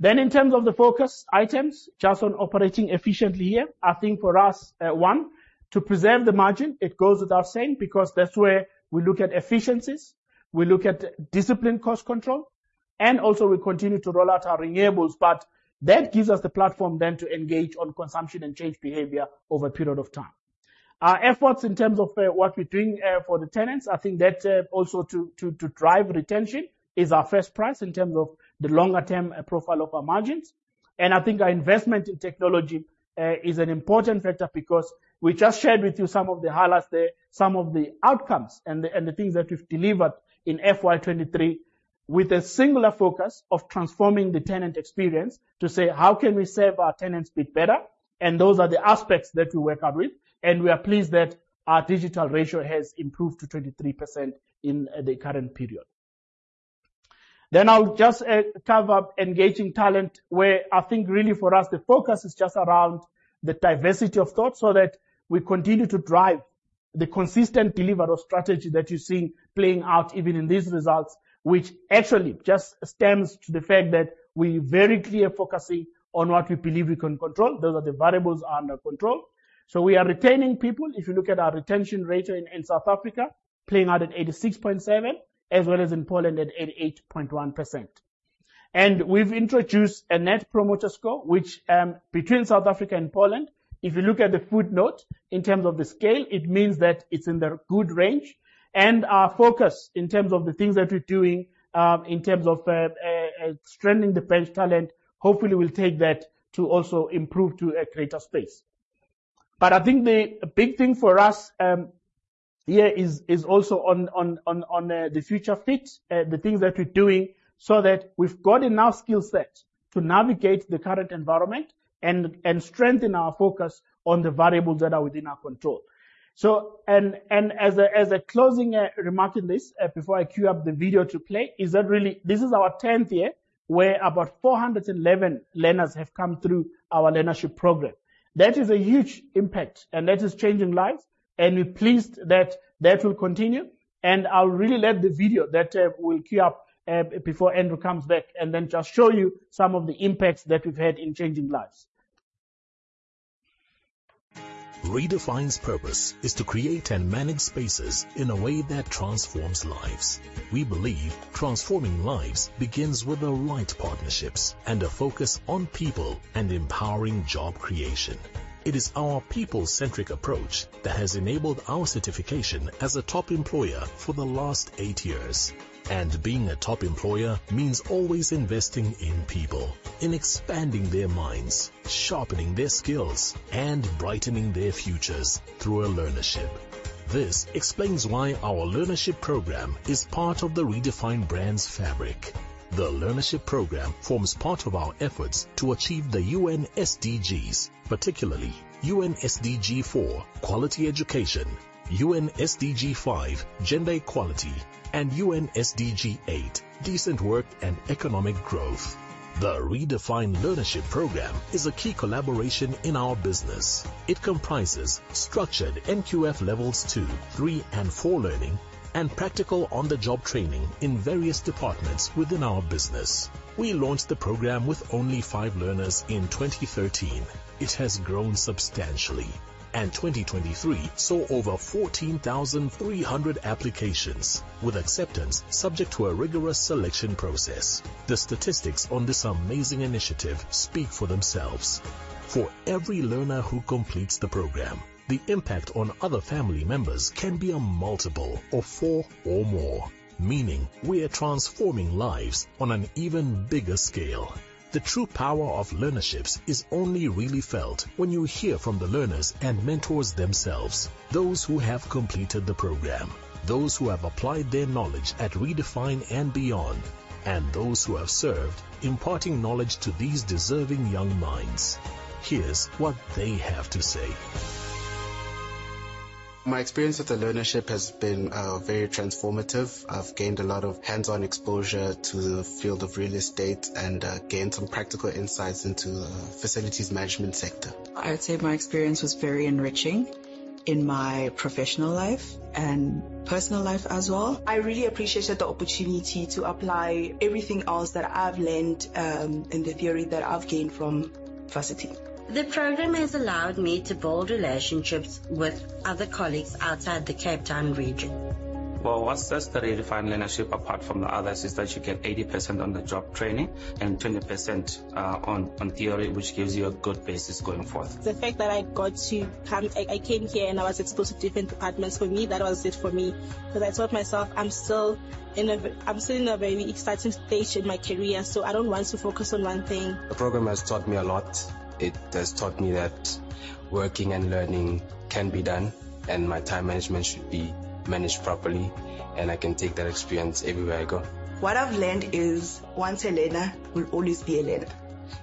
In terms of the focus items, just on operating efficiently here, I think for us, one, to preserve the margin, it goes without saying, because that's where we look at efficiencies, we look at disciplined cost control, and also we continue to roll out our renewables, but that gives us the platform then to engage on consumption and change behavior over a period of time. Our efforts in terms of what we're doing for the tenants, I think that also to drive retention is our first priority in terms of the longer term profile of our margins. I think our investment in technology is an important factor because we just shared with you some of the highlights there, some of the outcomes and the things that we've delivered in FY 2023 with a singular focus of transforming the tenant experience to say, "How can we serve our tenants a bit better?" Those are the aspects that we work with, and we are pleased that our digital ratio has improved to 23% in the current period. I'll just cover engaging talent, where I think really for us the focus is just around the diversity of thought, so that we continue to drive the consistent delivery strategy that you're seeing playing out even in these results, which actually just stems to the fact that we're very clear focusing on what we believe we can control. Those are the variables under control. We are retaining people. If you look at our retention rate in South Africa, playing out at 86.7%, as well as in Poland at 88.1%. We've introduced a net promoter score, which between South Africa and Poland, if you look at the footnote in terms of the scale, it means that it's in the good range. Our focus in terms of the things that we're doing, strengthening the bench talent, hopefully we'll take that to also improve to a greater space. I think the big thing for us here is also on the future fit, the things that we're doing so that we've got enough skill set to navigate the current environment and strengthen our focus on the variables that are within our control. As a closing remark in this, before I queue up the video to play, is that really this is our 10th year where about 411 learners have come through our learnership program. That is a huge impact, and that is changing lives, and we're pleased that that will continue. I'll really let the video that we'll cue up before Andrew comes back and then just show you some of the impacts that we've had in changing lives. Redefine's purpose is to create and manage spaces in a way that transforms lives. We believe transforming lives begins with the right partnerships and a focus on people and empowering job creation. It is our people-centric approach that has enabled our certification as a top employer for the last eight years. Being a top employer means always investing in people, in expanding their minds, sharpening their skills, and brightening their futures through a learnership. This explains why our learnership program is part of the Redefine brand's fabric. The learnership program forms part of our efforts to achieve the UN SDGs, particularly UN SDG four, quality education, UN SDG five, gender equality, and UN SDG eight, decent work and economic growth. The Redefine Learnership program is a key collaboration in our business. It comprises structured NQF levels two, three, and four learning and practical on-the-job training in various departments within our business. We launched the program with only five learners in 2013. It has grown substantially, and 2023 saw over 14,300 applications, with acceptance subject to a rigorous selection process. The statistics on this amazing initiative speak for themselves. For every learner who completes the program, the impact on other family members can be a multiple of four or more, meaning we are transforming lives on an even bigger scale. The true power of learnerships is only really felt when you hear from the learners and mentors themselves, those who have completed the program, those who have applied their knowledge at Redefine and beyond, and those who have served imparting knowledge to these deserving young minds. Here's what they have to say. My experience with the learnership has been very transformative. I've gained a lot of hands-on exposure to the field of real estate and gained some practical insights into the facilities management sector. I would say my experience was very enriching in my professional life and personal life as well. I really appreciated the opportunity to apply everything else that I've learned, and the theory that I've gained from varsity. The program has allowed me to build relationships with other colleagues outside the Cape Town region. Well, what sets the Redefine Learnership apart from the others is that you get 80% on-the-job training and 20% on theory, which gives you a good basis going forth. The fact that I got to come here, and I was exposed to different departments, for me, that was it for me. 'Cause I told myself, "I'm still in a very exciting stage in my career, so I don't want to focus on one thing. The program has taught me a lot. It has taught me that working and learning can be done, and my time management should be managed properly, and I can take that experience everywhere I go. What I've learned is, once a learner will always be a learner.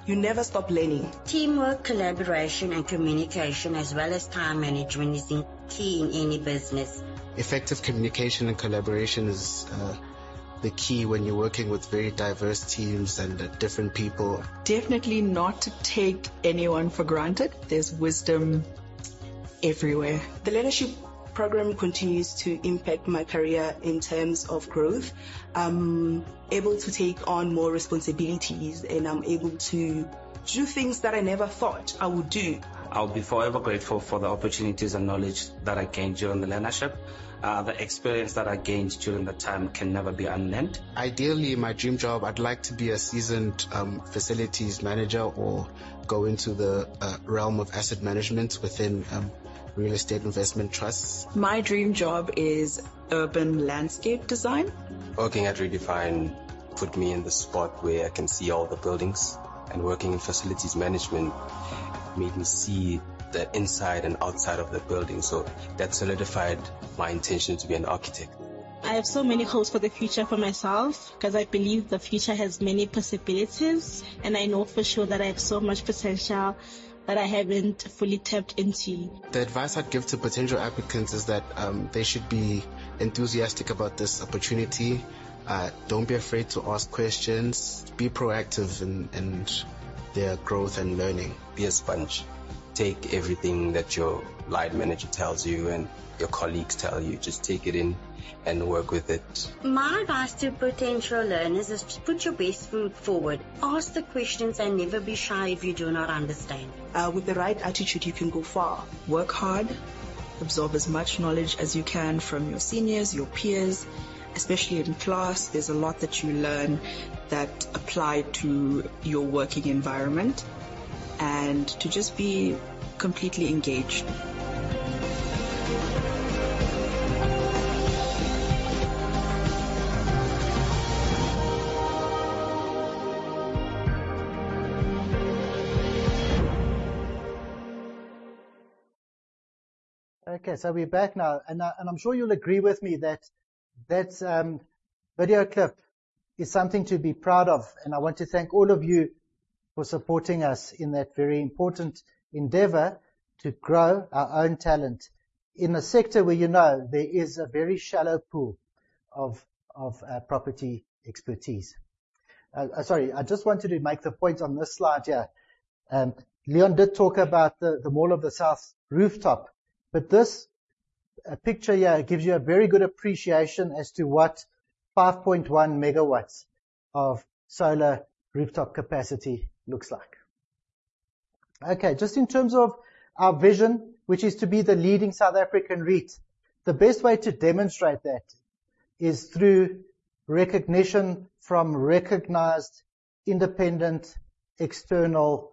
You never stop learning. Teamwork, collaboration, and communication, as well as time management, is key in any business. Effective communication and collaboration is the key when you're working with very diverse teams and different people. Definitely not to take anyone for granted. There's wisdom everywhere. The learnership program continues to impact my career in terms of growth. I'm able to take on more responsibilities, and I'm able to do things that I never thought I would do. I'll be forever grateful for the opportunities and knowledge that I gained during the learnership. The experience that I gained during that time can never be unlearned. Ideally, my dream job, I'd like to be a seasoned, facilities manager or Go into the realm of asset management within real estate investment trusts. My dream job is urban landscape design. Working at Redefine put me in the spot where I can see all the buildings, and working in facilities management made me see the inside and outside of the building. That solidified my intention to be an architect. I have so many hopes for the future for myself because I believe the future has many possibilities, and I know for sure that I have so much potential that I haven't fully tapped into. The advice I'd give to potential applicants is that they should be enthusiastic about this opportunity. Don't be afraid to ask questions, be proactive in their growth and learning. Be a sponge. Take everything that your line manager tells you and your colleagues tell you. Just take it in and work with it. My advice to potential learners is to put your best foot forward. Ask the questions and never be shy if you do not understand. With the right attitude, you can go far. Work hard, absorb as much knowledge as you can from your seniors, your peers, especially in class, there's a lot that you learn that apply to your working environment, and to just be completely engaged. Okay, we're back now, and I'm sure you'll agree with me that video clip is something to be proud of. I want to thank all of you for supporting us in that very important endeavor to grow our own talent in a sector where you know there is a very shallow pool of property expertise. Sorry, I just wanted to make the point on this slide here. Leon did talk about the Mall of the South rooftop, but this picture here gives you a very good appreciation as to what 5.1 MW of solar rooftop capacity looks like. Okay, just in terms of our vision, which is to be the leading South African REIT. The best way to demonstrate that is through recognition from recognized independent external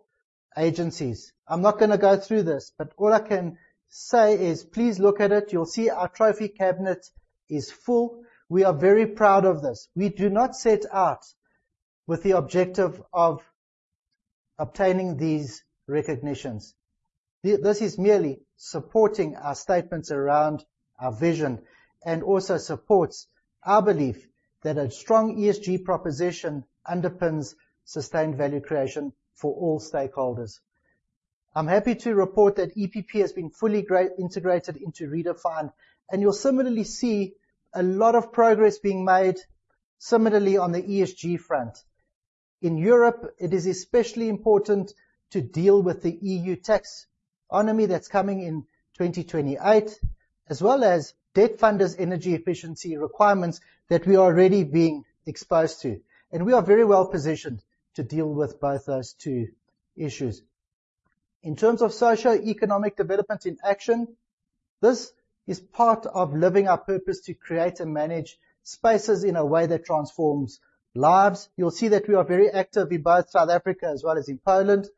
agencies. I'm not gonna go through this, but all I can say is please look at it. You'll see our trophy cabinet is full. We are very proud of this. We do not set out with the objective of obtaining these recognitions. This is merely supporting our statements around our vision and also supports our belief that a strong ESG proposition underpins sustained value creation for all stakeholders. I'm happy to report that EPP has been fully integrated into Redefine, and you'll similarly see a lot of progress being made similarly on the ESG front. In Europe, it is especially important to deal with the EU Taxonomy that's coming in 2028, as well as debt funders' energy efficiency requirements that we are already being exposed to, and we are very well-positioned to deal with both those two issues. In terms of socio-economic development in action, this is part of living our purpose to create and manage spaces in a way that transforms lives. You'll see that we are very active in both South Africa as well as in Poland,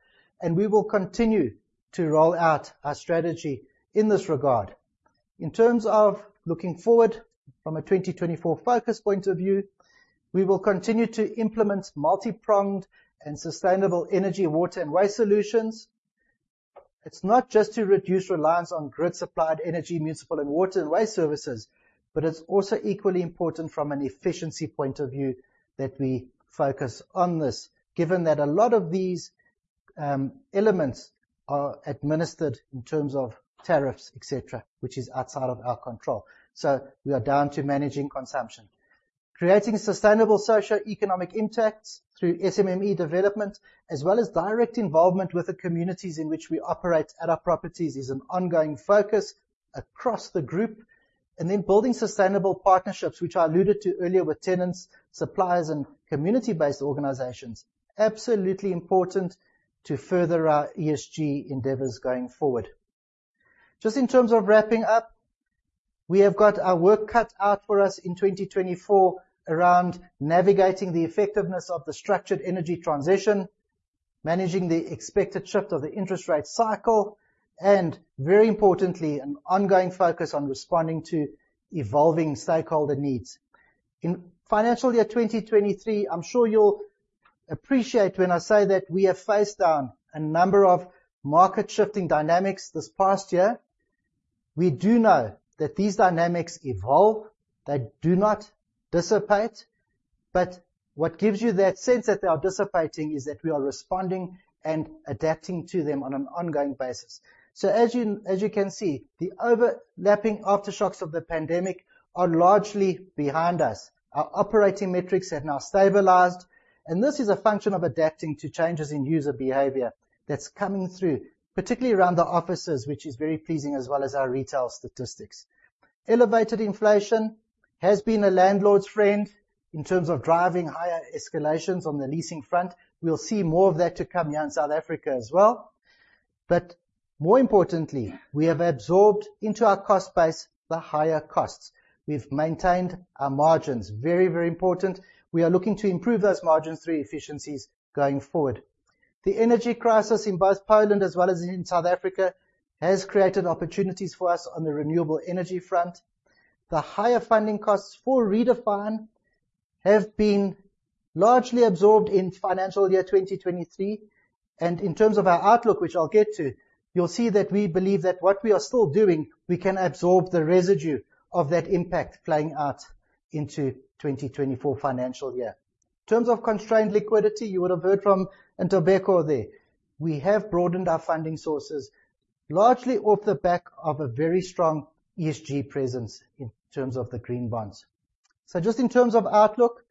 and we will continue to roll out our strategy in this regard. In terms of looking forward from a 2024 focus point of view, we will continue to implement multi-pronged and sustainable energy, water and waste solutions. It's not just to reduce reliance on grid-supplied energy, municipal and water and waste services, but it's also equally important from an efficiency point of view that we focus on this, given that a lot of these elements are administered in terms of tariffs, et cetera, which is outside of our control, so we are down to managing consumption. Creating sustainable socio-economic impacts through SMME development, as well as direct involvement with the communities in which we operate at our properties, is an ongoing focus across the group, building sustainable partnerships, which I alluded to earlier, with tenants, suppliers, and community-based organizations, absolutely important to further our ESG endeavors going forward. Just in terms of wrapping up, we have got our work cut out for us in 2024 around navigating the effectiveness of the structured energy transition, managing the expected shift of the interest rate cycle, and very importantly, an ongoing focus on responding to evolving stakeholder needs. In financial year 2023, I'm sure you'll appreciate when I say that we have faced down a number of market-shifting dynamics this past year. We do know that these dynamics evolve. They do not dissipate, but what gives you that sense that they are dissipating is that we are responding and adapting to them on an ongoing basis. As you can see, the overlapping aftershocks of the pandemic are largely behind us. Our operating metrics have now stabilized, and this is a function of adapting to changes in user behavior that's coming through, particularly around the offices, which is very pleasing as well as our retail statistics. Elevated inflation has been a landlord's friend in terms of driving higher escalations on the leasing front. We'll see more of that to come here in South Africa as well. More importantly, we have absorbed into our cost base the higher costs. We've maintained our margins. Very, very important. We are looking to improve those margins through efficiencies going forward. The energy crisis in both Poland as well as in South Africa has created opportunities for us on the renewable energy front. The higher funding costs for Redefine have been largely absorbed in financial year 2023, and in terms of our outlook, which I'll get to, you'll see that we believe that what we are still doing, we can absorb the residue of that impact playing out into 2024 financial year. In terms of constrained liquidity, you would have heard from Ntobeko there. We have broadened our funding sources largely off the back of a very strong ESG presence in terms of the green bonds. Just in terms of outlook,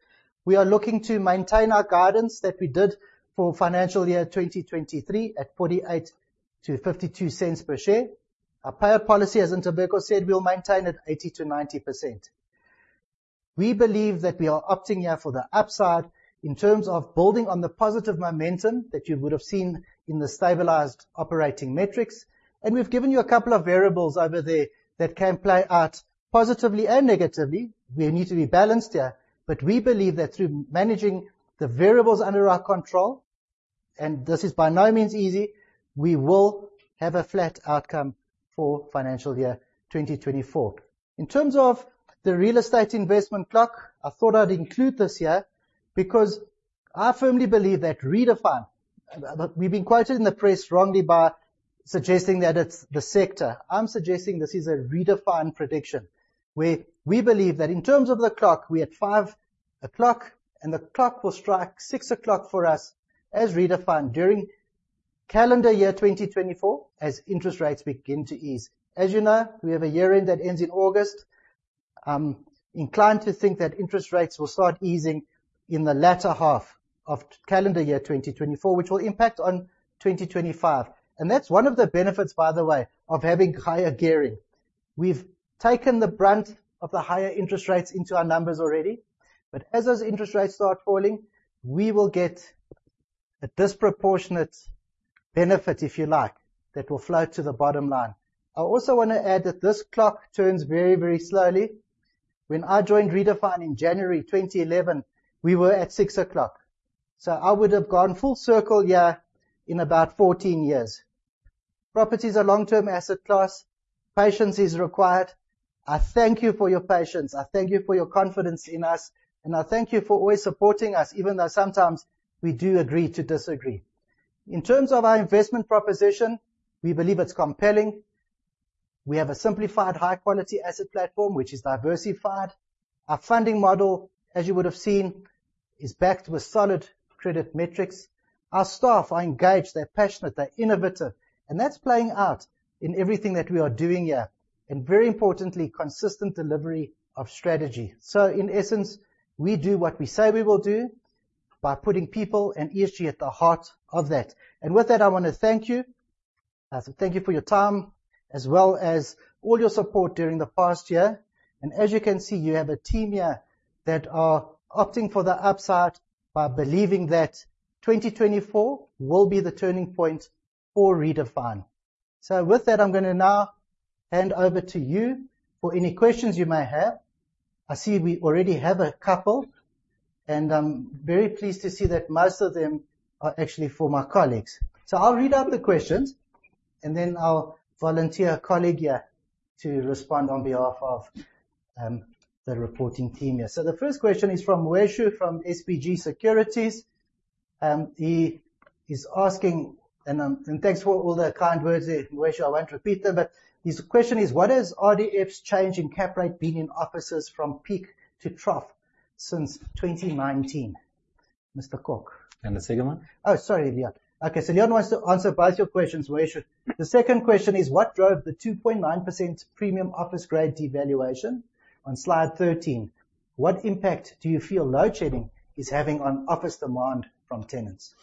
we are looking to maintain our guidance that we did for financial year 2023 at 0.48-0.52 per share. Our payout policy, as Ntobeko said, we'll maintain at 80%-90%. We believe that we are opting here for the upside in terms of building on the positive momentum that you would have seen in the stabilized operating metrics. We've given you a couple of variables over there that can play out positively and negatively. We need to be balanced here, but we believe that through managing the variables under our control, and this is by no means easy, we will have a flat outcome for financial year 2024. In terms of the real estate investment clock, I thought I'd include this here because I firmly believe that Redefine. We've been quoted in the press wrongly by suggesting that it's the sector. I'm suggesting this is a Redefine prediction, where we believe that in terms of the clock, we're at five o'clock and the clock will strike six o'clock for us as Redefine during calendar year 2024 as interest rates begin to ease. As you know, we have a year end that ends in August. I'm inclined to think that interest rates will start easing in the latter half of calendar year 2024, which will impact on 2025. That's one of the benefits, by the way, of having higher gearing. We've taken the brunt of the higher interest rates into our numbers already, but as those interest rates start falling, we will get a disproportionate benefit, if you like, that will flow to the bottom line. I also wanna add that this clock turns very, very slowly. When I joined Redefine in January 2011, we were at six o'clock, so I would have gone full circle here in about 14 years. Property is a long-term asset class. Patience is required. I thank you for your patience. I thank you for your confidence in us, and I thank you for always supporting us, even though sometimes we do agree to disagree. In terms of our investment proposition, we believe it's compelling. We have a simplified, high-quality asset platform which is diversified. Our funding model, as you would have seen, is backed with solid credit metrics. Our staff are engaged, they're passionate, they're innovative, and that's playing out in everything that we are doing here, and very importantly, consistent delivery of strategy. In essence, we do what we say we will do by putting people and ESG at the heart of that. With that, I wanna thank you. So thank you for your time as well as all your support during the past year. As you can see, you have a team here that are opting for the upside by believing that 2024 will be the turning point for Redefine. With that, I'm gonna now hand over to you for any questions you may have. I see we already have a couple, and I'm very pleased to see that most of them are actually for my colleagues. I'll read out the questions and then I'll volunteer a colleague here to respond on behalf of the reporting team here. The first question is from Mweisho from SBG Securities. He is asking, and thanks for all the kind words there, Mweisho. I won't repeat them, but his question is, "What is RDF's change in cap rate being in offices from peak to trough since 2019?" Mr. Kok. The second one? Oh, sorry, Leon. Okay, so Leon wants to answer both your questions, Mweisho. The second question is, "What drove the 2.9% premium office grade devaluation on slide 13? What impact do you feel load shedding is having on office demand from tenants?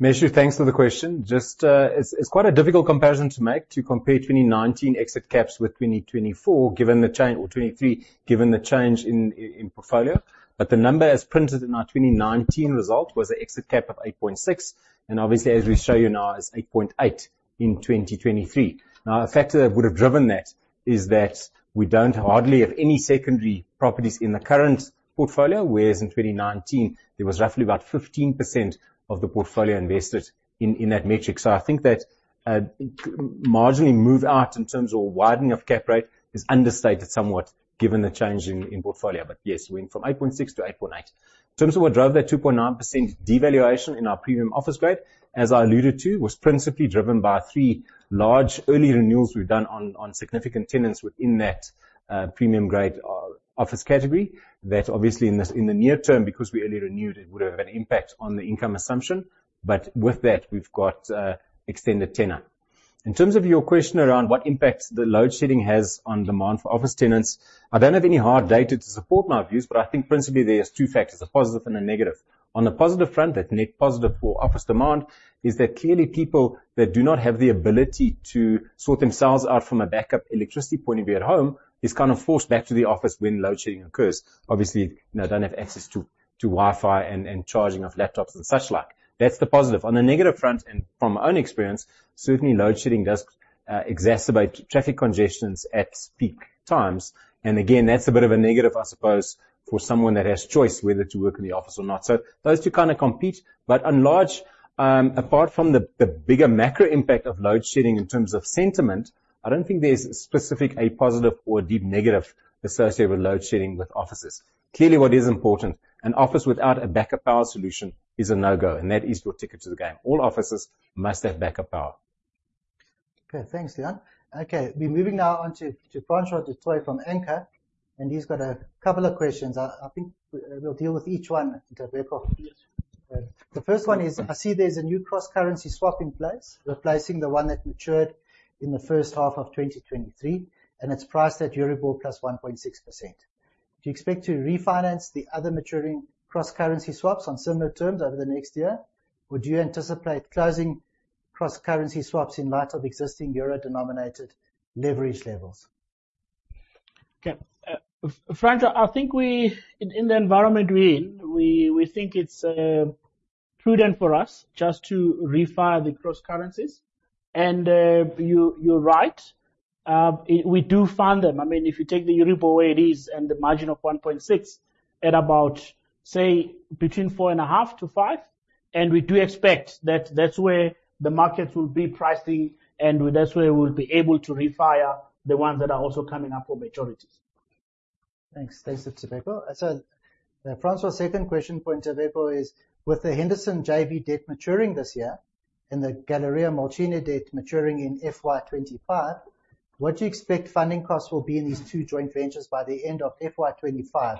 Mweisho, thanks for the question. It's quite a difficult comparison to make to compare 2019 exit caps with 2024 given the change or 2023 given the change in portfolio. The number as printed in our 2019 result was an exit cap of 8.6, and obviously, as we show you now, is 8.8 in 2023. Now, a factor that would have driven that is that we don't hardly have any secondary properties in the current portfolio, whereas in 2019, there was roughly about 15% of the portfolio invested in that metric. I think that marginally move out in terms of widening of cap rate is understated somewhat given the change in portfolio. Yes, we went from 8.6 to 8.8. In terms of what drove that 2.9% devaluation in our premium office grade, as I alluded to, was principally driven by three large early renewals we've done on significant tenants within that premium grade office category that obviously in the near term, because we only renewed, it would have had an impact on the income assumption, but with that, we've got extended tenant. In terms of your question around what impact the load shedding has on demand for office tenants, I don't have any hard data to support my views, but I think principally there's two factors, a positive and a negative. On the positive front, that net positive for office demand is that clearly people that do not have the ability to sort themselves out from a backup electricity point of view at home is kind of forced back to the office when load shedding occurs. Obviously, they don't have access to Wi-Fi and charging of laptops and such like. That's the positive. On the negative front, and from our own experience, certainly load shedding does exacerbate traffic congestions at peak times. Again, that's a bit of a negative, I suppose, for someone that has choice whether to work in the office or not. Those two kinda compete, but on balance, apart from the bigger macro impact of load shedding in terms of sentiment, I don't think there's specifically a positive or a deep negative associated with load shedding with offices. Clearly, what is important, an office without a backup power solution is a no-go, and that is your ticket to the game. All offices must have backup power. Okay. Thanks, Leon. Okay, we're moving now on to Francois du Toit from Anchor, and he's got a couple of questions. I think we'll deal with each one, Ntobeko. Yes. The first one is: I see there's a new cross-currency swap in place, replacing the one that matured in the H1 of 2023, and it's priced at Euribor +1.6%. Do you expect to refinance the other maturing cross-currency swaps on similar terms over the next year? Would you anticipate closing cross-currency swaps in light of existing euro-denominated leverage levels? Okay, Francois, I think in the environment we're in, we think it's prudent for us just to refi the cross currencies. You're right. We do fund them. I mean, if you take the Euribor where it is and the margin of 1.6% at about, say, between 4.5%-5%, and we do expect that that's where the market will be pricing and that's where we'll be able to refi the ones that are also coming up for maturities. Thanks. Thanks, Ntobeko. Francois' second question for Ntobeko is: With the Henderson JV debt maturing this year and the Galeria Młociny debt maturing in FY 2025, what do you expect funding costs will be in these two joint ventures by the end of FY 2025,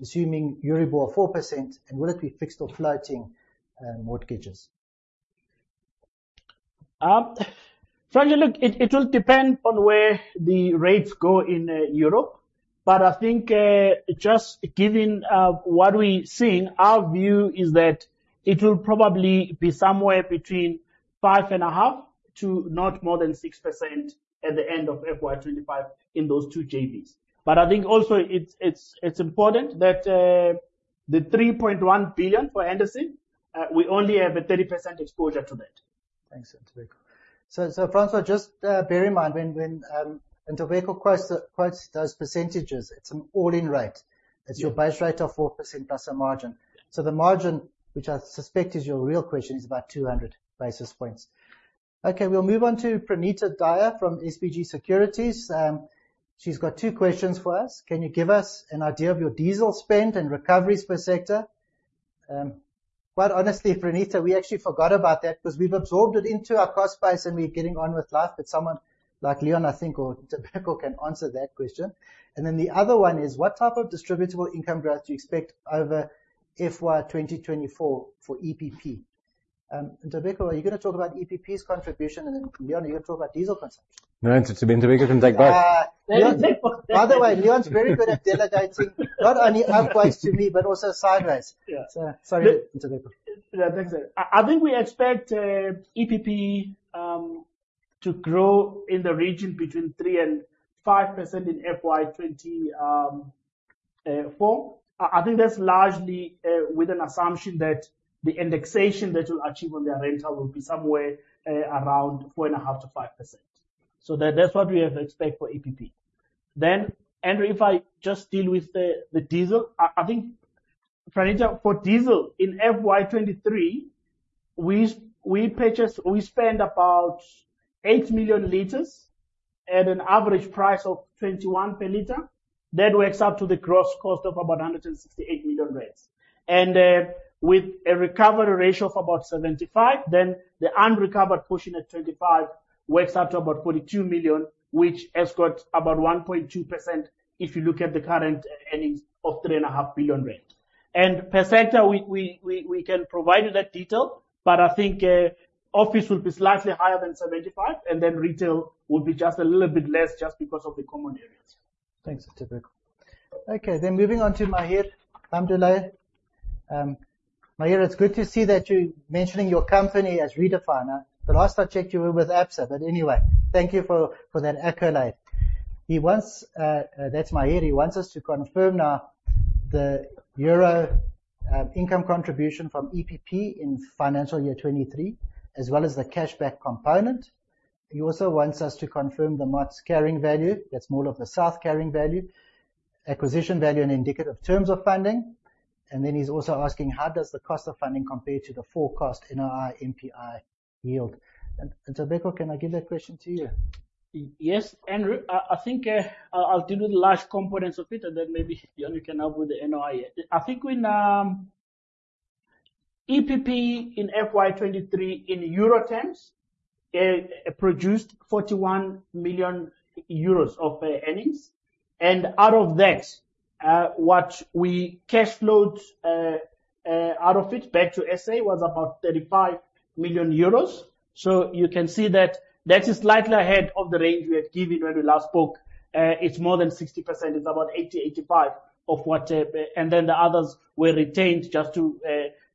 assuming Euribor 4%, and will it be fixed or floating mortgages? Francois, look, it will depend on where the rates go in Europe, but I think just given what we're seeing, our view is that it will probably be somewhere between 5.5% to not more than 6% at the end of FY 2025 in those two JVs. I think also it's important that the 3.1 billion for Henderson we only have a 30% exposure to that. Thanks, Ntobeko. Francois, just bear in mind when Ntobeko quotes those percentages, it's an all-in rate. Yeah. It's your base rate of 4% plus a margin. The margin, which I suspect is your real question, is about 200 basis points. Okay, we'll move on to Pranita Daya from SBG Securities. She's got two questions for us. Can you give us an idea of your diesel spend and recoveries per sector? Quite honestly, Pranita, we actually forgot about that because we've absorbed it into our cost base and we're getting on with life. Someone like Leon, I think, or Ntobeko can answer that question. The other one is. What type of distributable income growth do you expect over FY 2024 for EPP? Ntobeko, are you gonna talk about EPP's contribution, and then Leon, you're gonna talk about diesel consumption. No, it's up to Ntobeko. Ntobeko can take both. Take both. By the way, Leon's very good at delegating, not only upwards to me, but also sideways. Yeah. Sorry, Ntobeko. Yeah, thanks. I think we expect EPP to grow in the region between 3%-5% in FY 2024. I think that's largely with an assumption that the indexation that we'll achieve on their rental will be somewhere around 4.5%-5%. That's what we expect for EPP. Andrew, if I just deal with the diesel. I think, Pranita, for diesel in FY 2023, we spent about eight million liters at an average price of 21 per liter. That works out to the gross cost of about 168 million rand. With a recovery ratio of about 75, then the unrecovered portion at 25 works out to about 42 million, which has got about 1.2% if you look at the current earnings of 3.5 billion rand. Per sector, we can provide you that detail, but I think, office will be slightly higher than 75, and then retail will be just a little bit less just because of the common areas. Thanks, Ntobeko. Okay, moving on to Mahir Hamdulay. Mahir, it's good to see that you're mentioning your company as Redefine, huh? The last I checked, you were with Absa, but anyway. Thank you for that accolade. He wants us to confirm now the EUR income contribution from EPP in FY 2023, as well as the cash back component. He also wants us to confirm the MOTS carrying value. That's Mall of the South carrying value, acquisition value, and indicative terms of funding. He's also asking, how does the cost of funding compare to the forecast NOI/NPI yield? Ntobeko, can I give that question to you? Yes, Andrew. I think I'll deal with the last components of it, and then maybe Leon, you can help with the NOI. I think in EPP in FY 2023 in euro terms produced 41 million euros of earnings. Out of that, what we cash flowed out of it back to SA was about 35 million euros. You can see that is slightly ahead of the range we had given when we last spoke. It's more than 60%. It's about 80%-85% of what. Then the others were retained just to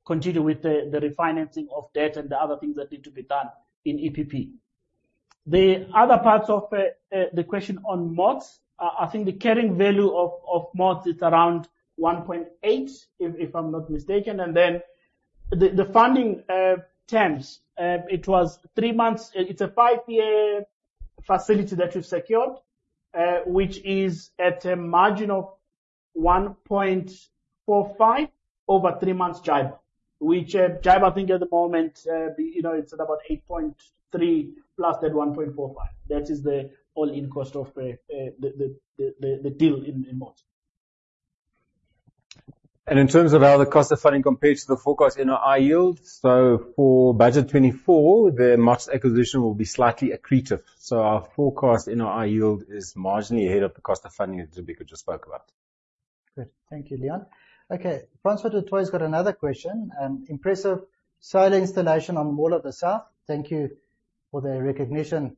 continue with the refinancing of debt and the other things that need to be done in EPP. The other parts of the question on MOTS. I think the carrying value of MOTS is around 1.8, if I'm not mistaken. Then the funding terms, it was three months. It's a five-year facility that we've secured, which is at a margin of 1.45 over three months JIBAR. Which JIBAR, I think at the moment, you know, it's at about 8.3+ that 1.45. That is the all-in cost of the deal in MOTS. In terms of how the cost of funding compares to the forecast NOI yield. For budget 2024, the MOTS acquisition will be slightly accretive. Our forecast NOI yield is marginally ahead of the cost of funding that Ntobeko just spoke about. Great. Thank you, Leon. Okay, Francois du Toit's got another question. Impressive solar installation on Mall of the South. Thank you for the recognition,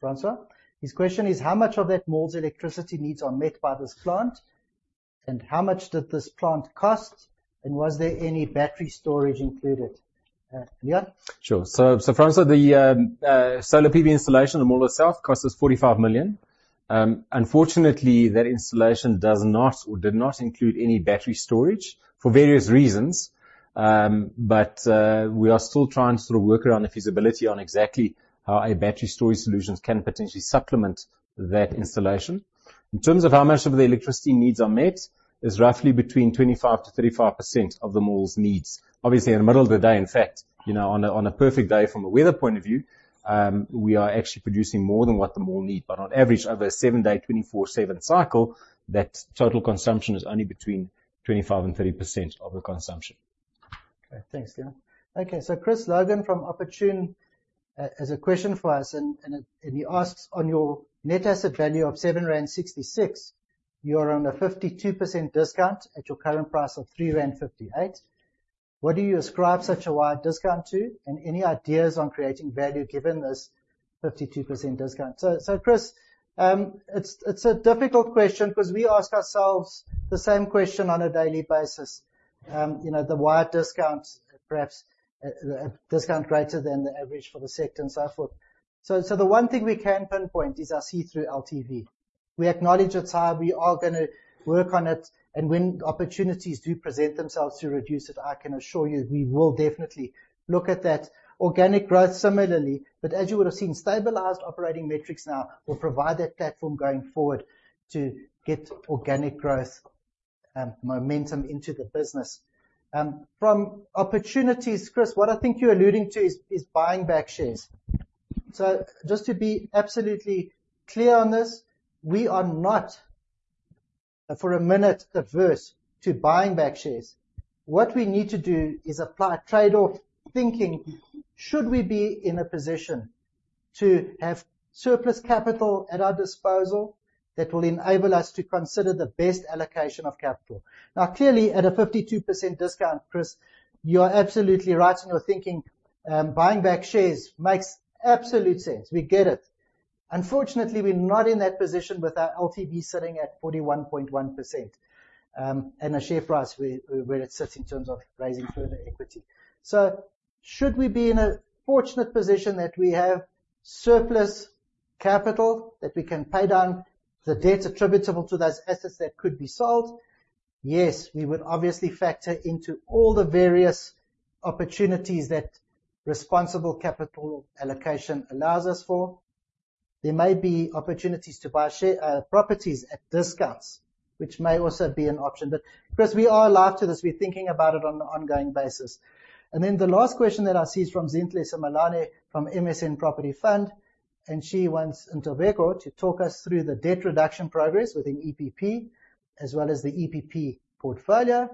Francois. His question is, how much of that mall's electricity needs are met by this plant, and how much did this plant cost, and was there any battery storage included? Leon? Sure. Francois, the solar PV installation in Mall of the South cost us 45 million. Unfortunately, that installation does not or did not include any battery storage for various reasons. We are still trying to work around the feasibility on exactly how a battery storage solutions can potentially supplement that installation. In terms of how much of the electricity needs are met, is roughly 25%-35% of the mall's needs. Obviously, in the middle of the day, in fact, you know, on a perfect day from a weather point of view, we are actually producing more than what the mall need, but on average, over a seven-day, 24/7 cycle, that total consumption is only between 25% and 30% of the consumption. Okay. Thanks, Leon. Okay, so Chris Logan from Opportune has a question for us, and he asks, on your net asset value of 7.66 rand, you are on a 52% discount at your current price of 3.58 rand. What do you ascribe such a wide discount to, and any ideas on creating value given this 52% discount? Chris, it's a difficult question 'cause we ask ourselves the same question on a daily basis. You know, the wide discounts, perhaps a discount greater than the average for the sector and so forth. The one thing we can pinpoint is our see-through LTV. We acknowledge it's high, we are gonna work on it, and when opportunities do present themselves to reduce it, I can assure you, we will definitely look at that. Organic growth, similarly, but as you would have seen, stabilized operating metrics now will provide that platform going forward to get organic growth momentum into the business. From opportunities, Chris, what I think you're alluding to is buying back shares. Just to be absolutely clear on this, we are not for a minute adverse to buying back shares. What we need to do is apply trade-off thinking should we be in a position to have surplus capital at our disposal that will enable us to consider the best allocation of capital. Now, clearly, at a 52% discount, Chris, you are absolutely right in your thinking, buying back shares makes absolute sense. We get it. Unfortunately, we're not in that position with our LTV sitting at 41.1%, and a share price where it sits in terms of raising further equity. Should we be in a fortunate position that we have surplus capital that we can pay down the debts attributable to those assets that could be sold? Yes, we would obviously factor into all the various opportunities that responsible capital allocation allows us for. There may be opportunities to buy share, properties at discounts, which may also be an option. Chris, we are alive to this. We're thinking about it on an ongoing basis. Then the last question that I see is from Zinhle Simelane from MSM Property Fund, and she wants Ntobeko to talk us through the debt reduction progress within EPP as well as the EPP portfolio.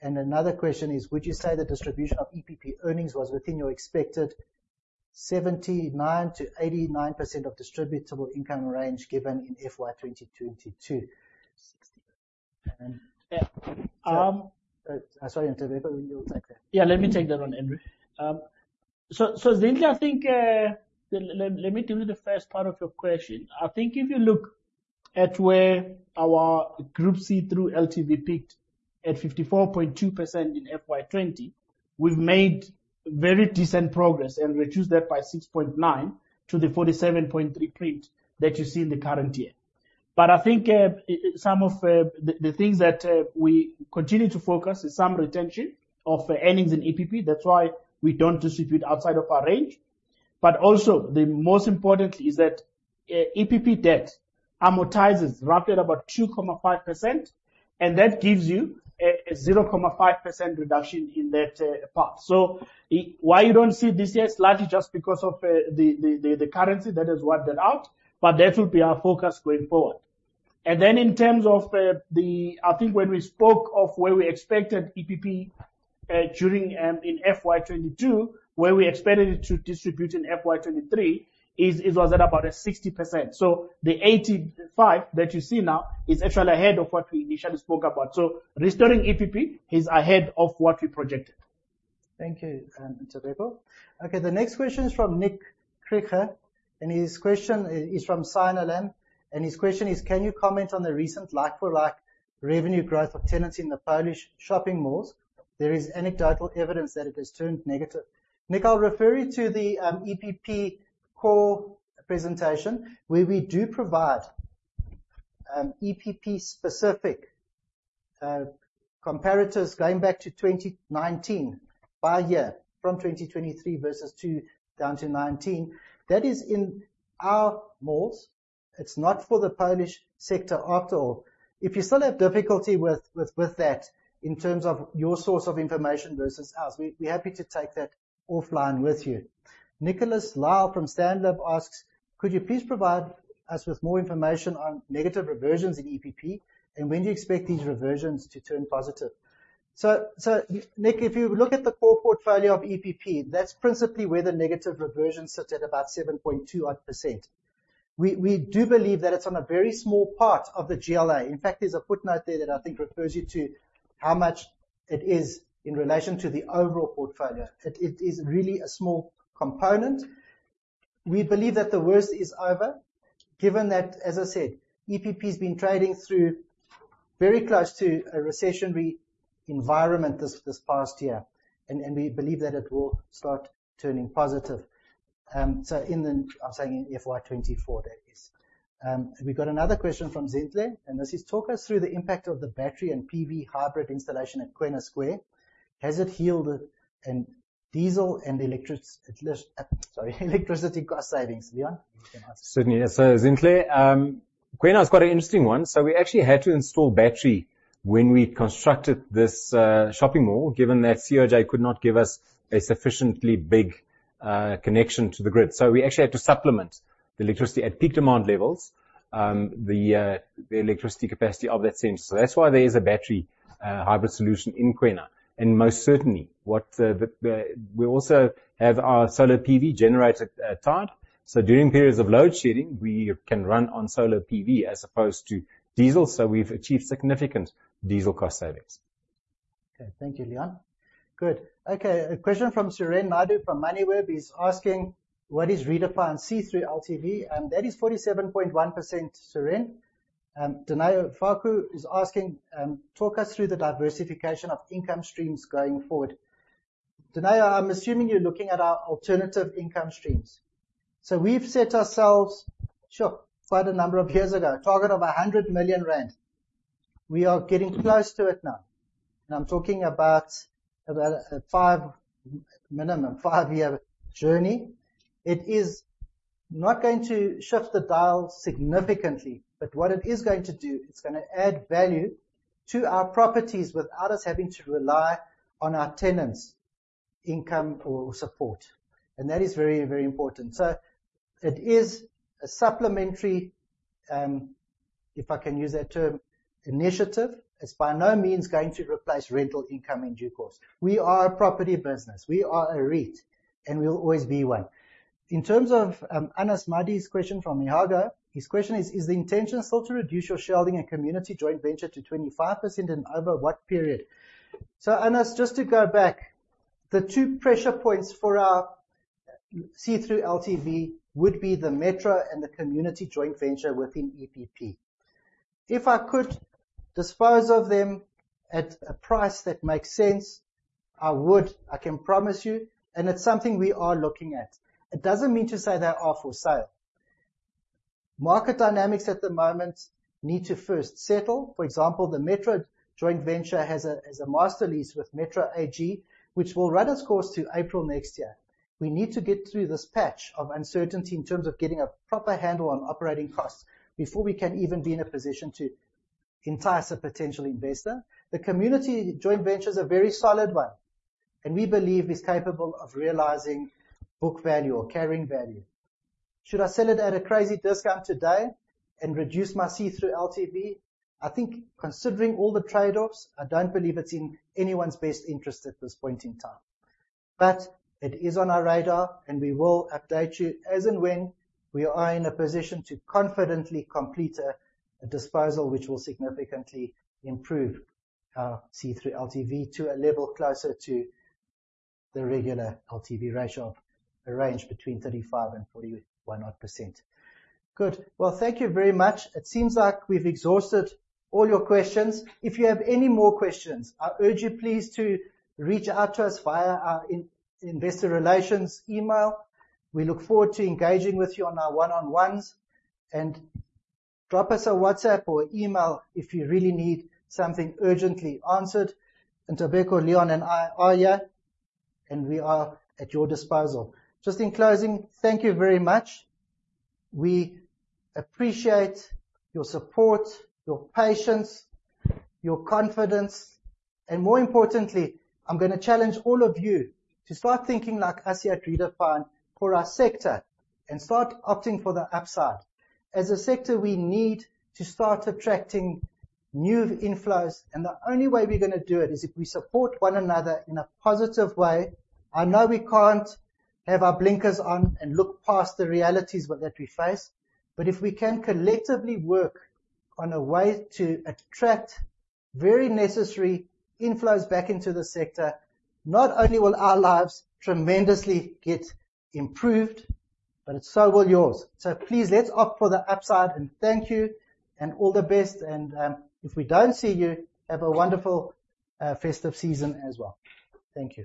Another question is, would you say the distribution of EPP earnings was within your expected 79%-89% of distributable income range given in FY 2022? 60%. Um- Sorry. Sorry, Ntobeko, you take that. Yeah, let me take that one, Andrew. So Zinhle, I think let me do the first part of your question. I think if you look at where our group see-through LTV peaked at 54.2% in FY 2020, we've made very decent progress and reduced that by 6.9 to the 47.3 print that you see in the current year. I think some of the things that we continue to focus is some retention of earnings in EPP. That's why we don't distribute outside of our range. Also the most important is that EPP debt amortizes roughly about 2.5%, and that gives you a 0.5% reduction in that path. Why you don't see this year is largely just because of the currency that has worked that out, but that will be our focus going forward. I think when we spoke of where we expected EPP in FY 2022, where we expected it to distribute in FY 2023 was at about 60%. The 85% that you see now is actually ahead of what we initially spoke about. Restoring EPP is ahead of what we projected. Thank you, Ntobeko. Okay, the next question is from Nick Gillingham, and his question is from Signalam, and his question is: Can you comment on the recent like-for-like revenue growth of tenancy in the Polish shopping malls? There is anecdotal evidence that it has turned negative. Nic, I'll refer you to the EPP core presentation, where we do provide EPP specific comparators going back to 2019 by year from 2023 versus 2022 down to 2019. That is in our malls. It's not for the Polish sector after all. If you still have difficulty with that in terms of your source of information versus ours, we'd be happy to take that offline with you. Nicolas Lyle from Stanlib asks, "Could you please provide us with more information on negative reversions in EPP, and when do you expect these reversions to turn positive?" Nick, if you look at the core portfolio of EPP, that's principally where the negative reversions sit at about 7.2% or so. We do believe that it's on a very small part of the GLA. In fact, there's a footnote there that I think refers you to how much it is in relation to the overall portfolio. It is really a small component. We believe that the worst is over, given that, as I said, EPP has been trading through very close to a recessionary environment this past year, and we believe that it will start turning positive. I'm saying in FY 2024, that is. We've got another question from Zinhle, and this is, "Talk us through the impact of the battery and PV hybrid installation at Kwena Square. Has it yielded in diesel and electricity cost savings?" Leon, you can answer. Certainly. Zinhle, Kwena is quite an interesting one. We actually had to install battery when we constructed this shopping mall, given that COJ could not give us a sufficiently big connection to the grid. We actually had to supplement the electricity at peak demand levels, the electricity capacity of that center. That's why there is a battery hybrid solution in Kwena. Most certainly, we also have our solar PV generator tied. During periods of load shedding, we can run on solar PV as opposed to diesel, we've achieved significant diesel cost savings. Thank you, Leon. A question from Suren Naidoo from Moneyweb. He's asking, "What is Redefine see-through LTV?" That is 47.1%, Suren. Ndanaya Faku is asking, "Talk us through the diversification of income streams going forward." Ndanaya, I'm assuming you're looking at our alternative income streams. We've set ourselves, sure, quite a number of years ago, a target of 100 million rand. We are getting close to it now. I'm talking about a minimum five-year journey. It is not going to shift the dial significantly, but what it is going to do, it's gonna add value to our properties without us having to rely on our tenants' income or support. That is very, very important. It is a supplementary, if I can use that term, initiative. It's by no means going to replace rental income in due course. We are a property business, we are a REIT, and we'll always be one. In terms of Anas Madhi's question from Ihaga. His question is, "Is the intention still to reduce your sharing in Community joint venture to 25%, and over what period?" Anas, just to go back, the two pressure points for our see-through LTV would be the Metro and the Community joint venture within EPP. If I could dispose of them at a price that makes sense, I would, I can promise you, and it's something we are looking at. It doesn't mean to say they are for sale. Market dynamics at the moment need to first settle. For example, the Metro joint venture has a master lease with Metro AG, which will run its course to April next year. We need to get through this patch of uncertainty in terms of getting a proper handle on operating costs before we can even be in a position to entice a potential investor. The community joint venture is a very solid one, and we believe is capable of realizing book value or carrying value. Should I sell it at a crazy discount today and reduce my see-through LTV? I think considering all the trade-offs, I don't believe it's in anyone's best interest at this point in time. It is on our radar, and we will update you as and when we are in a position to confidently complete a disposal which will significantly improve our see-through LTV to a level closer to the regular LTV ratio, a range between 35%-41-odd%. Good. Well, thank you very much. It seems like we've exhausted all your questions. If you have any more questions, I urge you please to reach out to us via our investor relations email. We look forward to engaging with you on our one-on-ones. Drop us a WhatsApp or email if you really need something urgently answered. Ntobeko, Leon, and I are here, and we are at your disposal. Just in closing, thank you very much. We appreciate your support, your patience, your confidence, and more importantly, I'm gonna challenge all of you to start thinking like us here at Redefine for our sector and start opting for the upside. As a sector, we need to start attracting new inflows, and the only way we're gonna do it is if we support one another in a positive way. I know we can't have our blinkers on and look past the realities that we face, but if we can collectively work on a way to attract very necessary inflows back into the sector, not only will our lives tremendously get improved, but so will yours. Please, let's opt for the upside, and thank you, and all the best. If we don't see you, have a wonderful festive season as well. Thank you.